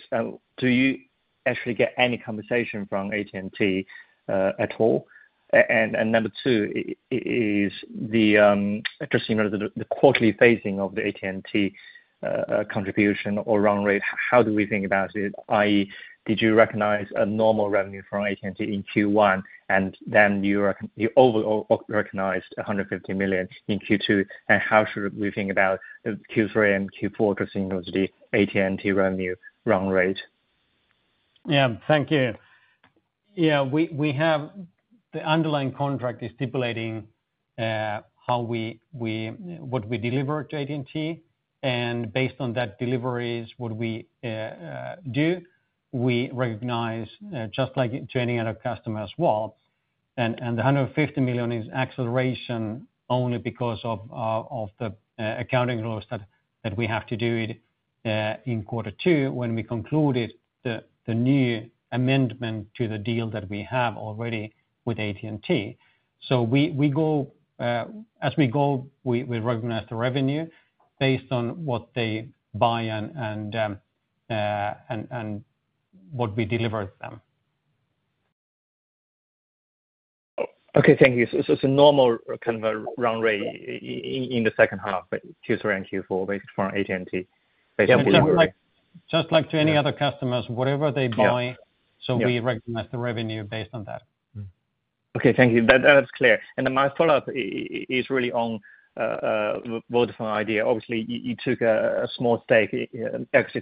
do you actually get any compensation from AT&T at all? And number two, is just, you know, the quarterly phasing of the AT&T contribution or run rate, how do we think about it? i.e., did you recognize a normal revenue from AT&T in Q1, and then you over recognized 150 million in Q2? And how should we think about Q3 and Q4 in terms of the AT&T revenue run rate? Yeah. Thank you. Yeah, we have the underlying contract is stipulating how we what we deliver to AT&T, and based on that deliveries, what we do, we recognize just like to any other customer as well. And the 150 million is acceleration only because of the accounting rules that we have to do it in quarter two, when we concluded the new amendment to the deal that we have already with AT&T. So we go as we go, we recognize the revenue based on what they buy and what we deliver to them. Okay, thank you. So, it's a normal kind of a run rate in the second half, but Q3 and Q4, based from AT&T, based on- Just like to any other customers, whatever they buy- Yeah. We recognize the revenue based on that. Okay, thank you. That's clear. And my follow-up is really on Vodafone Idea. Obviously, you took a small equity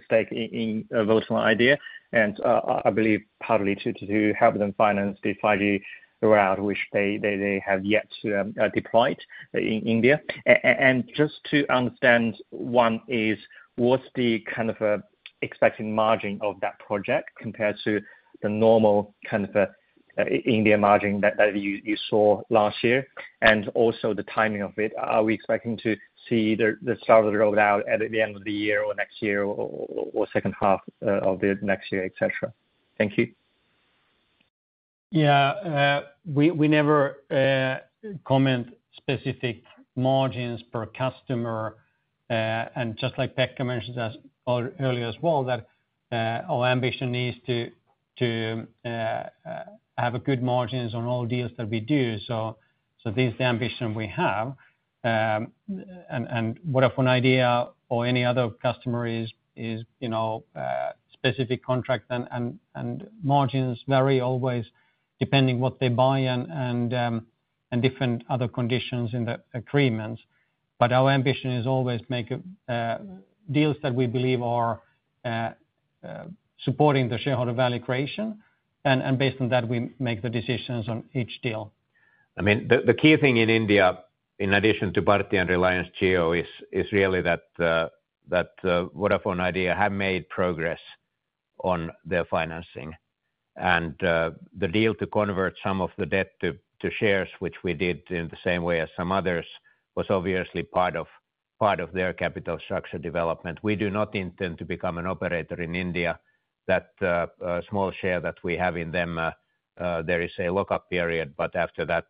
stake in Vodafone Idea, and I believe partly to help them finance the 5G roll-out, which they have yet to deployed in India. And just to understand, one is, what's the kind of expected margin of that project compared to the normal kind of India margin that you saw last year? And also the timing of it. Are we expecting to see the start of the roll-out at the end of the year or next year or second half of the next year, et cetera? Thank you. Yeah, we never comment specific margins per customer, and just like Pekka mentioned as earlier as well, that our ambition is to have a good margins on all deals that we do. So this is the ambition we have. And Vodafone Idea or any other customer is, you know, specific contract and margins vary always depending what they buy and different other conditions in the agreements. But our ambition is always make deals that we believe are supporting the shareholder value creation, and based on that, we make the decisions on each deal. I mean, the key thing in India, in addition to Bharti and Reliance Jio, is really that Vodafone Idea have made progress on their financing. And the deal to convert some of the debt to shares, which we did in the same way as some others, was obviously part of their capital structure development. We do not intend to become an operator in India. That small share that we have in them, there is a lockup period, but after that,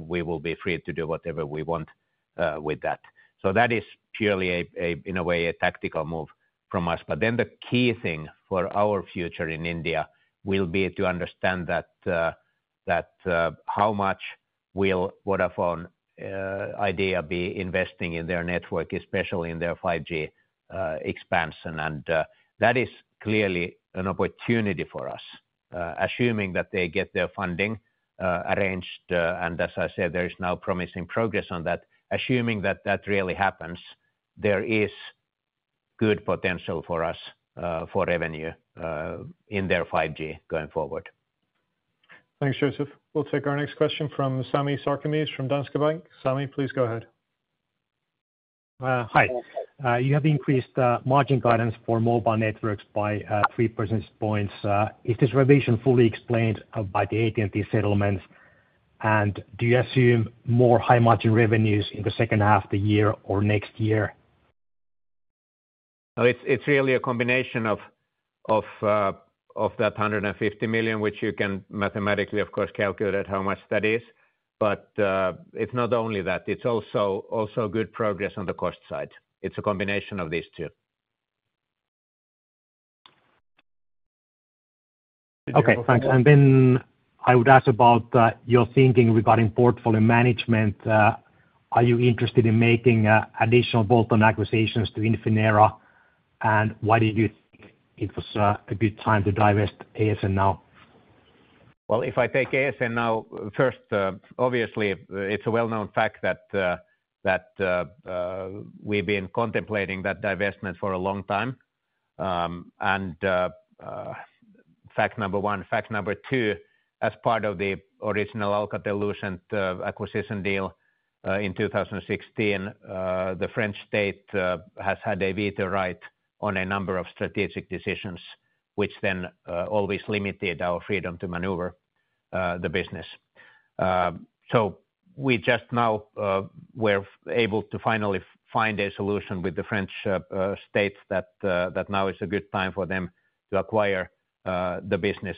we will be free to do whatever we want with that. So that is purely a, in a way, a tactical move from us. But then the key thing for our future in India will be to understand that, that, how much will Vodafone Idea be investing in their network, especially in their 5G expansion. And, that is clearly an opportunity for us, assuming that they get their funding arranged, and as I said, there is now promising progress on that. Assuming that that really happens, there is good potential for us, for revenue, in their 5G going forward. Thanks, Joseph. We'll take our next question from Sami Sarkamies, from Danske Bank. Sami, please go ahead. Hi. You have increased margin guidance for Mobile Networks by 3 percentage points. Is this revision fully explained by the AT&T settlement? And do you assume more high-margin revenues in the second half of the year or next year? Well, it's really a combination of that 150 million, which you can mathematically, of course, calculate how much that is. But, it's not only that, it's also good progress on the cost side. It's a combination of these two. Okay, thanks. Then I would ask about your thinking regarding portfolio management. Are you interested in making additional bolt-on acquisitions to Infinera? And why did you think it was a good time to divest ASN now? Well, if I take ASN now, first, obviously, it's a well-known fact that we've been contemplating that divestment for a long time, and fact number one. Fact number two, as part of the original Alcatel-Lucent acquisition deal in 2016, the French state has had a veto right on a number of strategic decisions, which then always limited our freedom to maneuver the business. So we just now were able to finally find a solution with the French state that now is a good time for them to acquire the business.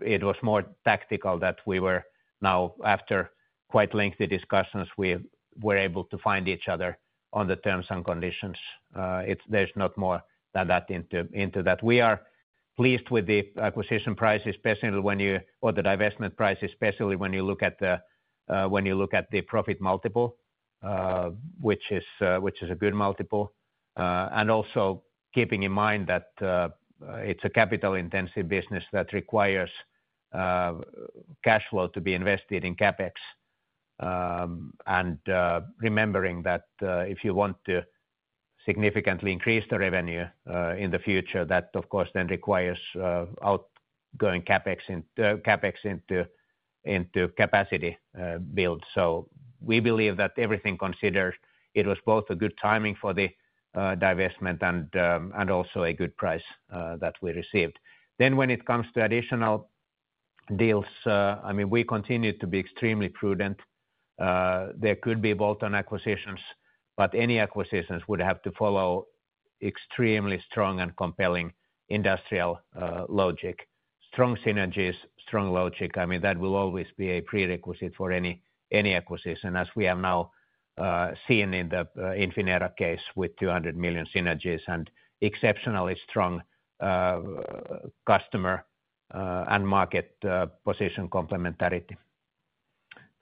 It was more tactical that we were now, after quite lengthy discussions, we were able to find each other on the terms and conditions. There's not more than that into that. We are pleased with the acquisition price, especially when you, or the divestment price, especially when you look at the profit multiple, which is a good multiple. And also keeping in mind that it's a capital-intensive business that requires cash flow to be invested in CapEx. And remembering that if you want to significantly increase the revenue in the future, that of course then requires outgoing CapEx in CapEx into capacity build. So we believe that everything considered, it was both a good timing for the divestment and also a good price that we received. Then when it comes to additional deals, I mean, we continue to be extremely prudent. There could be bolt-on acquisitions, but any acquisitions would have to follow extremely strong and compelling industrial logic. Strong synergies, strong logic, I mean, that will always be a prerequisite for any acquisition, as we have now seen in the Infinera case with 200 million synergies and exceptionally strong customer and market position complementarity.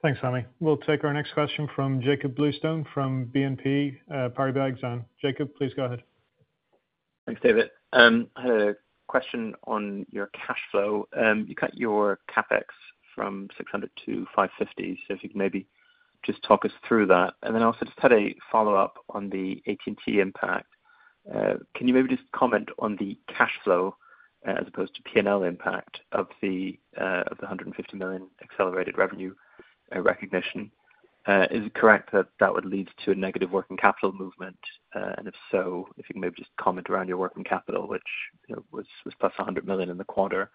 Thanks, Sami. We'll take our next question from Jakob Bluestone, from Exane BNP Paribas. Jacob, please go ahead. Thanks, David. I had a question on your cash flow. You cut your CapEx from 600 million to 550 million. So if you could maybe just talk us through that. And then also just had a follow-up on the AT&T impact. Can you maybe just comment on the cash flow, as opposed to P&L impact of the 150 million accelerated revenue recognition? Is it correct that that would lead to a negative working capital movement? And if so, if you can maybe just comment around your working capital, which, you know, was +100 million in the quarter,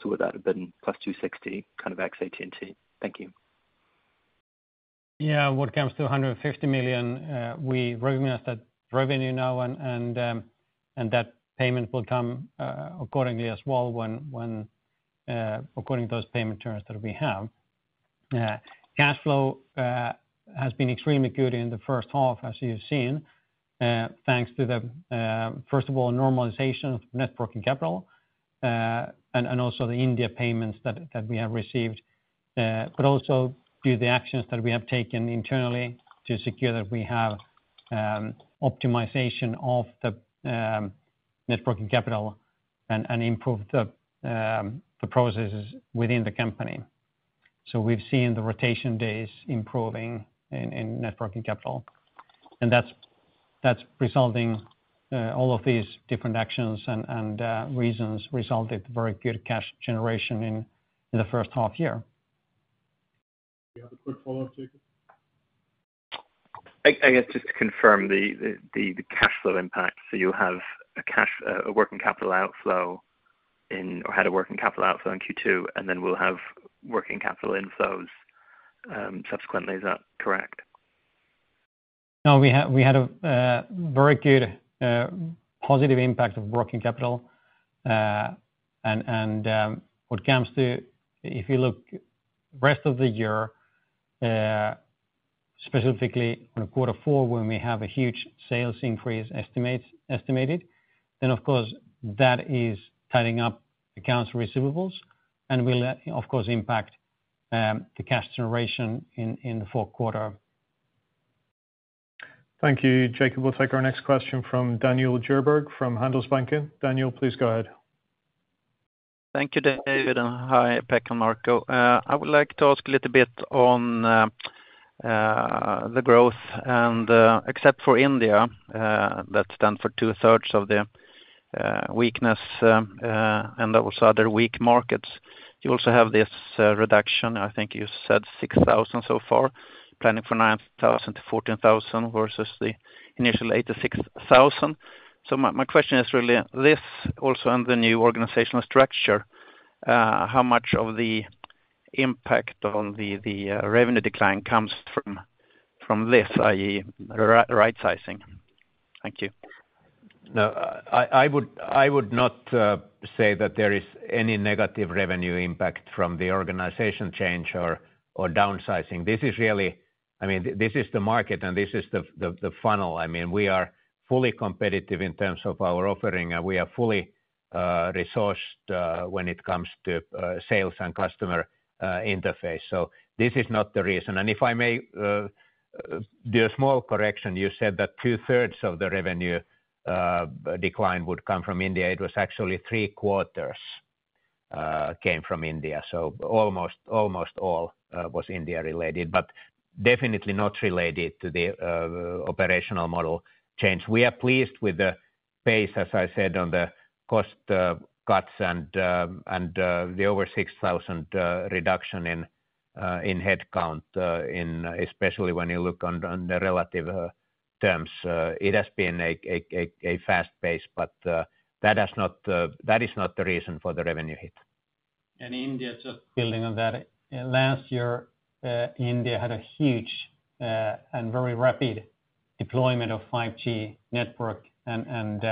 so would that have been +260 million, kind of, ex AT&T? Thank you. Yeah. When it comes to 150 million, we recognize that revenue now and that payment will come accordingly as well when according to those payment terms that we have. Cash flow has been extremely good in the first half, as you have seen, thanks to the first of all, normalization of net working capital and also the India payments that we have received. But also due to the actions that we have taken internally to secure that we have optimization of the net working capital and improve the processes within the company. We've seen the rotation days improving in net working capital, and that's resulting. All of these different actions and reasons resulted very good cash generation in the first half year. You have a quick follow-up, Jacob? I guess just to confirm the cash flow impact. So you have a working capital outflow in or had a working capital outflow in Q2, and then will have working capital inflows subsequently. Is that correct? No, we had a very good positive impact of working capital. And what comes to. If you look rest of the year, specifically on a quarter four, when we have a huge sales increase estimated, then of course, that is tying up accounts receivables and will, of course, impact the cash generation in the fourth quarter. Thank you, Jacob. We'll take our next question from Daniel Djurberg from Handelsbanken. Daniel, please go ahead. Thank you, David, and hi, Pekka and Marco. I would like to ask a little bit on the growth and, except for India, that's done for 2/3 of the weakness, and there was other weak markets. You also have this reduction, I think you said 6,000 so far, planning for 9,000 to 14,000 versus the initial 86,000. So my question is really this, also on the new organizational structure, how much of the impact on the revenue decline comes from this, i.e., rightsizing? Thank you. No, I would not say that there is any negative revenue impact from the organization change or downsizing. This is really—I mean, this is the market, and this is the funnel. I mean, we are fully competitive in terms of our offering, and we are fully resourced when it comes to sales and customer interface, so this is not the reason. And if I may, the small correction, you said that 2/3 of the revenue decline would come from India. It was actually 3/4 came from India, so almost all was India related, but definitely not related to the operational model change. We are pleased with the pace, as I said, on the cost cuts and the over 6,000 reduction in headcount, especially when you look on the relative terms. It has been a fast pace, but that is not the reason for the revenue hit. India, just building on that, last year India had a huge and very rapid deployment of 5G network, and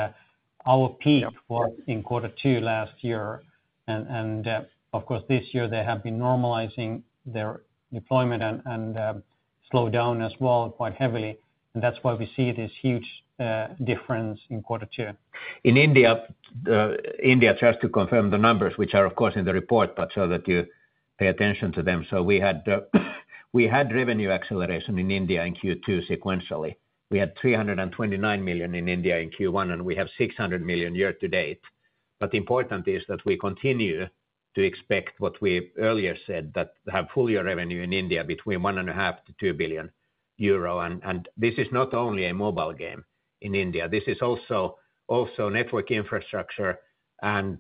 our peak was in quarter two last year. And of course, this year they have been normalizing their deployment and slow down as well, quite heavily, and that's why we see this huge difference in quarter two. In India, India, just to confirm the numbers, which are of course in the report, but so that you pay attention to them. So we had, we had revenue acceleration in India in Q2 sequentially. We had 329 million in India in Q1, and we have 600 million year to date. But important is that we continue to expect what we earlier said, that have full-year revenue in India between 1.5 billion-2 billion euro. And this is not only a mobile RAN in India, this is also Network Infrastructure. And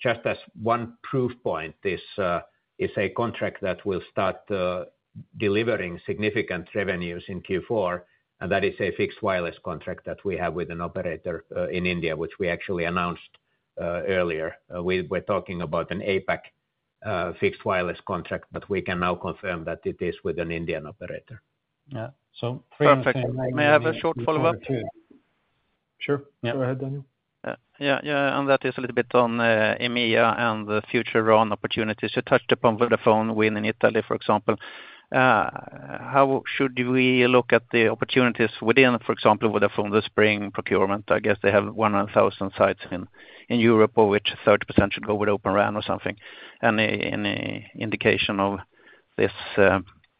just as one proof point, this is a contract that will start delivering significant revenues in Q4, and that is a fixed wireless contract that we have with an operator in India, which we actually announced earlier. We were talking about an APAC, fixed wireless contract, but we can now confirm that it is with an Indian operator. Yeah, so- Perfect. May I have a short follow-up? Sure. Yeah. Go ahead, Daniel. Yeah, yeah, and that is a little bit on EMEA and the future RAN opportunities. You touched upon Vodafone win in Italy, for example. How should we look at the opportunities within, for example, Vodafone, the spring procurement? I guess they have 170,000 sites in Europe, or which 30% should go with Open RAN or something. Any indication of this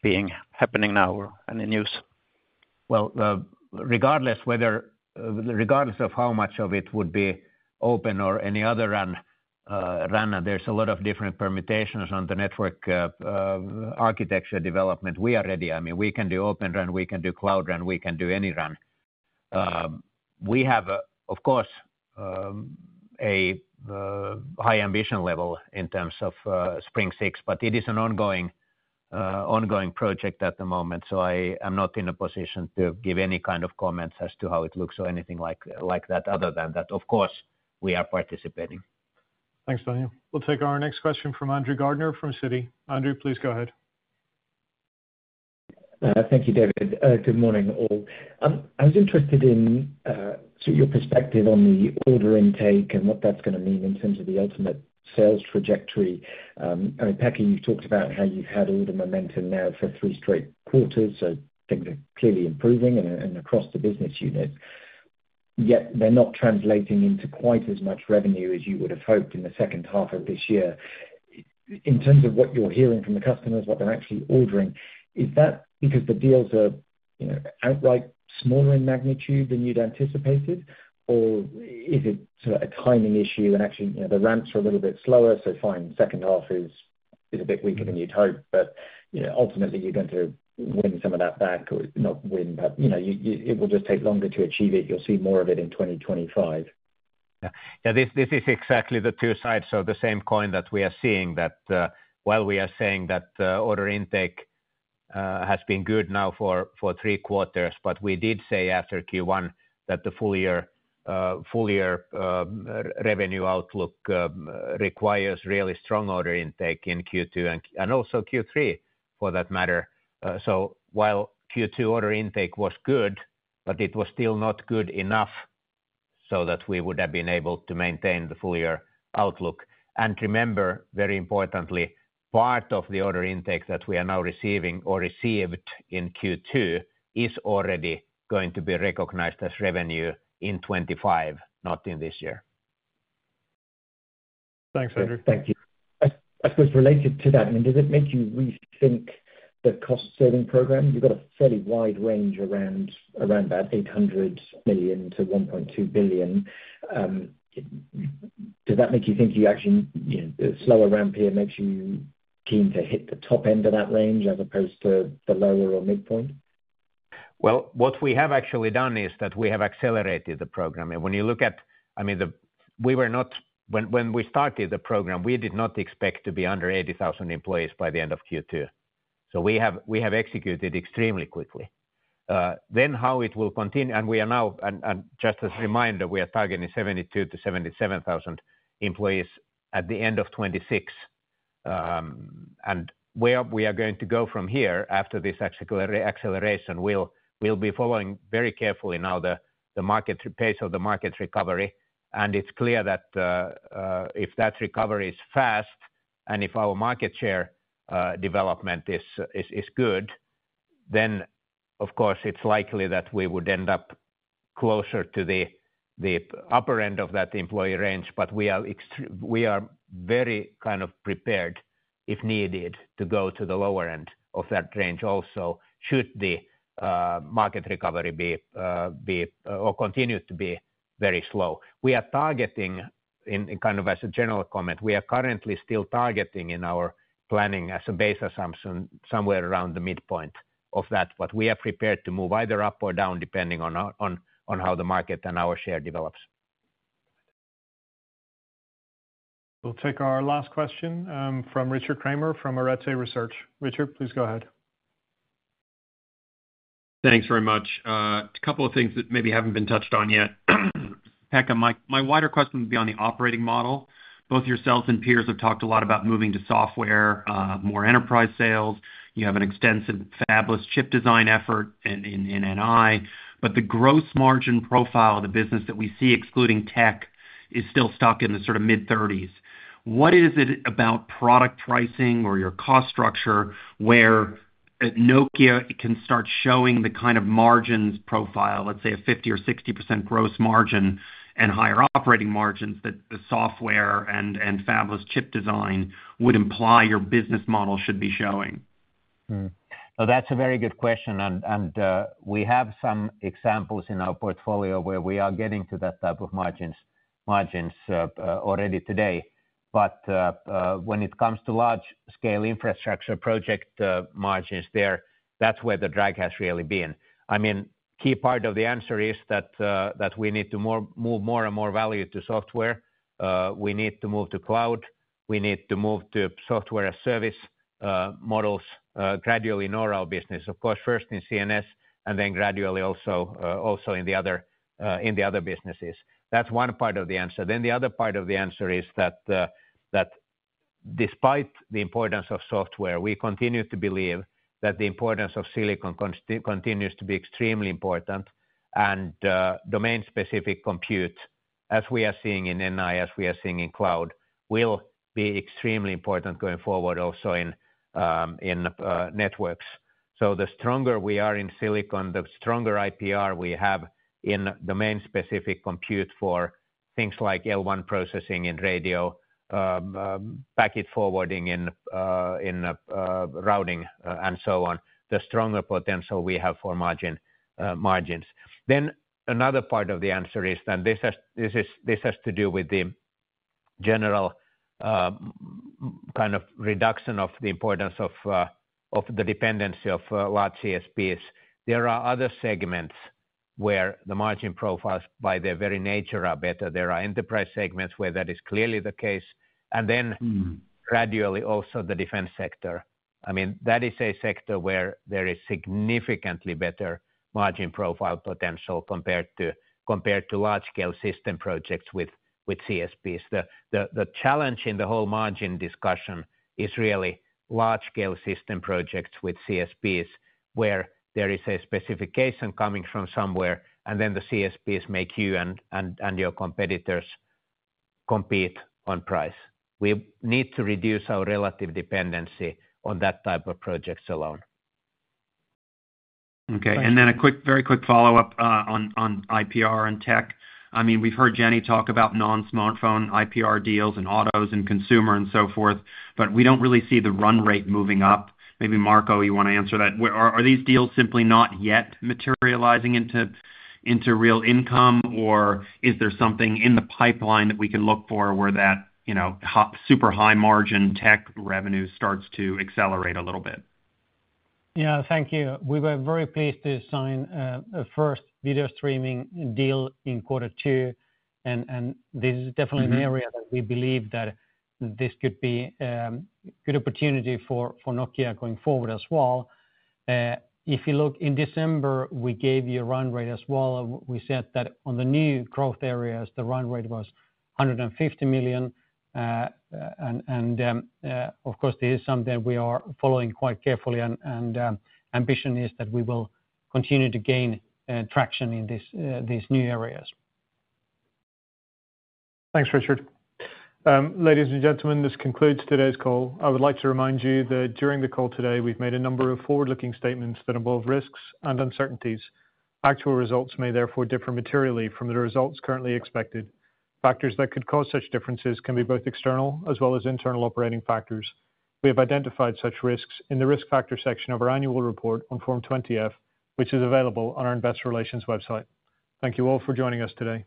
being happening now or any news? Well, regardless whether, regardless of how much of it would be open or any other RAN, RAN, there's a lot of different permutations on the network, architecture development. We are ready. I mean, we can do Open RAN, we can do Cloud RAN, we can do any RAN. We have, of course, a high ambition level in terms of, spend shares, but it is an ongoing, ongoing project at the moment, so I am not in a position to give any kind of comments as to how it looks or anything like, like that, other than that, of course, we are participating. Thanks, Daniel. We'll take our next question from Andrew Gardiner, from Citi. Andrew, please go ahead. Thank you, David. Good morning, all. I was interested in your perspective on the order intake and what that's gonna mean in terms of the ultimate sales trajectory. I know, Pekka, you've talked about how you've had order momentum now for three straight quarters, so things are clearly improving and across the business unit. Yet they're not translating into quite as much revenue as you would have hoped in the second half of this year. In terms of what you're hearing from the customers, what they're actually ordering, is that because the deals are, you know, outright smaller in magnitude than you'd anticipated? Or is it sort of a timing issue and actually, you know, the ramps are a little bit slower, so fine, second half is a bit weaker than you'd hope, but, you know, ultimately you're going to win some of that back, or not win, but, you know, it will just take longer to achieve it. You'll see more of it in 2025. Yeah, yeah, this, this is exactly the two sides of the same coin that we are seeing that while we are saying that order intake has been good now for three quarters, but we did say after Q1 that the full year revenue outlook requires really strong order intake in Q2 and also Q3, for that matter. So while Q2 order intake was good, but it was still not good enough so that we would have been able to maintain the full year outlook. And remember, very importantly, part of the order intake that we are now receiving or received in Q2 is already going to be recognized as revenue in 2025, not in this year. Thanks, Andrew. Thank you. I suppose, related to that, I mean, does it make you rethink the cost-saving program? You've got a fairly wide range around that 800 million-1.2 billion. Does that make you think you actually, you know, slower ramp here makes you keen to hit the top end of that range as opposed to the lower or midpoint? Well, what we have actually done is that we have accelerated the program. And when you look at, I mean, the, we were not. When, when we started the program, we did not expect to be under 80,000 employees by the end of Q2. So we have, we have executed extremely quickly. Then how it will continue, and we are now, and just as a reminder, we are targeting 72,000-77,000 employees at the end of 2026. And where we are going to go from here after this acceleration, we'll, we'll be following very carefully now the, the market, pace of the market recovery. It's clear that if that recovery is fast, and if our market share development is good, then of course, it's likely that we would end up closer to the upper end of that employee range. But we are very kind of prepared, if needed, to go to the lower end of that range also, should the market recovery be or continue to be very slow. We are targeting in kind of as a general comment; we are currently still targeting in our planning as a base assumption, somewhere around the midpoint of that, but we are prepared to move either up or down, depending on how the market and our share develops. We'll take our last question from Richard Kramer from Arete Research. Richard, please go ahead. Thanks very much. A couple of things that maybe haven't been touched on yet. Pekka, my wider question would be on the operating model. Both yourselves and peers have talked a lot about moving to software, more enterprise sales. You have an extensive, fabless chip design effort in NI. But the gross margin profile of the business that we see, excluding tech, is still stuck in the sort of mid-30s. What is it about product pricing or your cost structure, where Nokia can start showing the kind of margins profile, let's say a 50% or 60% gross margin and higher operating margins, that the software and fabless chip design would imply your business model should be showing? Hmm. Well, that's a very good question, and we have some examples in our portfolio where we are getting to that type of margins already today. But when it comes to large-scale infrastructure project, margins there, that's where the drag has really been. I mean, key part of the answer is that we need to move more and more value to software. We need to move to cloud. We need to move to software as service models gradually in all our business. Of course, first in CNS, and then gradually also in the other businesses. That's one part of the answer. Then the other part of the answer is that despite the importance of software, we continue to believe that the importance of silicon continues to be extremely important. And domain-specific compute, as we are seeing in AI, as we are seeing in cloud, will be extremely important going forward, also in networks. So the stronger we are in silicon, the stronger IPR we have in domain-specific compute for things like L1 processing and radio, packet forwarding in routing, and so on, the stronger potential we have for margins. Then another part of the answer is, and this has to do with the general kind of reduction of the importance of the dependency of large CSPs. There are other segments where the margin profiles, by their very nature, are better. There are enterprise segments where that is clearly the case, and then- Mm. Gradually, also the defense sector. I mean, that is a sector where there is significantly better margin profile potential compared to large-scale system projects with CSPs. The challenge in the whole margin discussion is really large-scale system projects with CSPs, where there is a specification coming from somewhere, and then the CSPs make you and your competitors compete on price. We need to reduce our relative dependency on that type of projects alone. Okay. And then a quick, very quick follow-up on IPR and tech. I mean, we've heard Jenni talk about non-smartphone IPR deals and autos and consumer and so forth, but we don't really see the run rate moving up. Maybe Marco, you want to answer that? Where are these deals simply not yet materializing into real income, or is there something in the pipeline that we can look for where that, you know, hot, super high margin tech revenue starts to accelerate a little bit? Yeah. Thank you. We were very pleased to sign a first video streaming deal in quarter two. And this is definitely an area- Mm-hmm. That we believe that this could be, good opportunity for, for Nokia going forward as well. If you look, in December, we gave you a run rate as well. We said that on the new growth areas, the run rate was 150 million. Of course, this is something we are following quite carefully, and, ambition is that we will continue to gain, traction in this, these new areas. Thanks, Richard. Ladies and gentlemen, this concludes today's call. I would like to remind you that during the call today, we've made a number of forward-looking statements that involve risks and uncertainties. Actual results may therefore differ materially from the results currently expected. Factors that could cause such differences can be both external as well as internal operating factors. We have identified such risks in the risk factors section of our annual report on Form 20-F, which is available on our investor relations website. Thank you all for joining us today.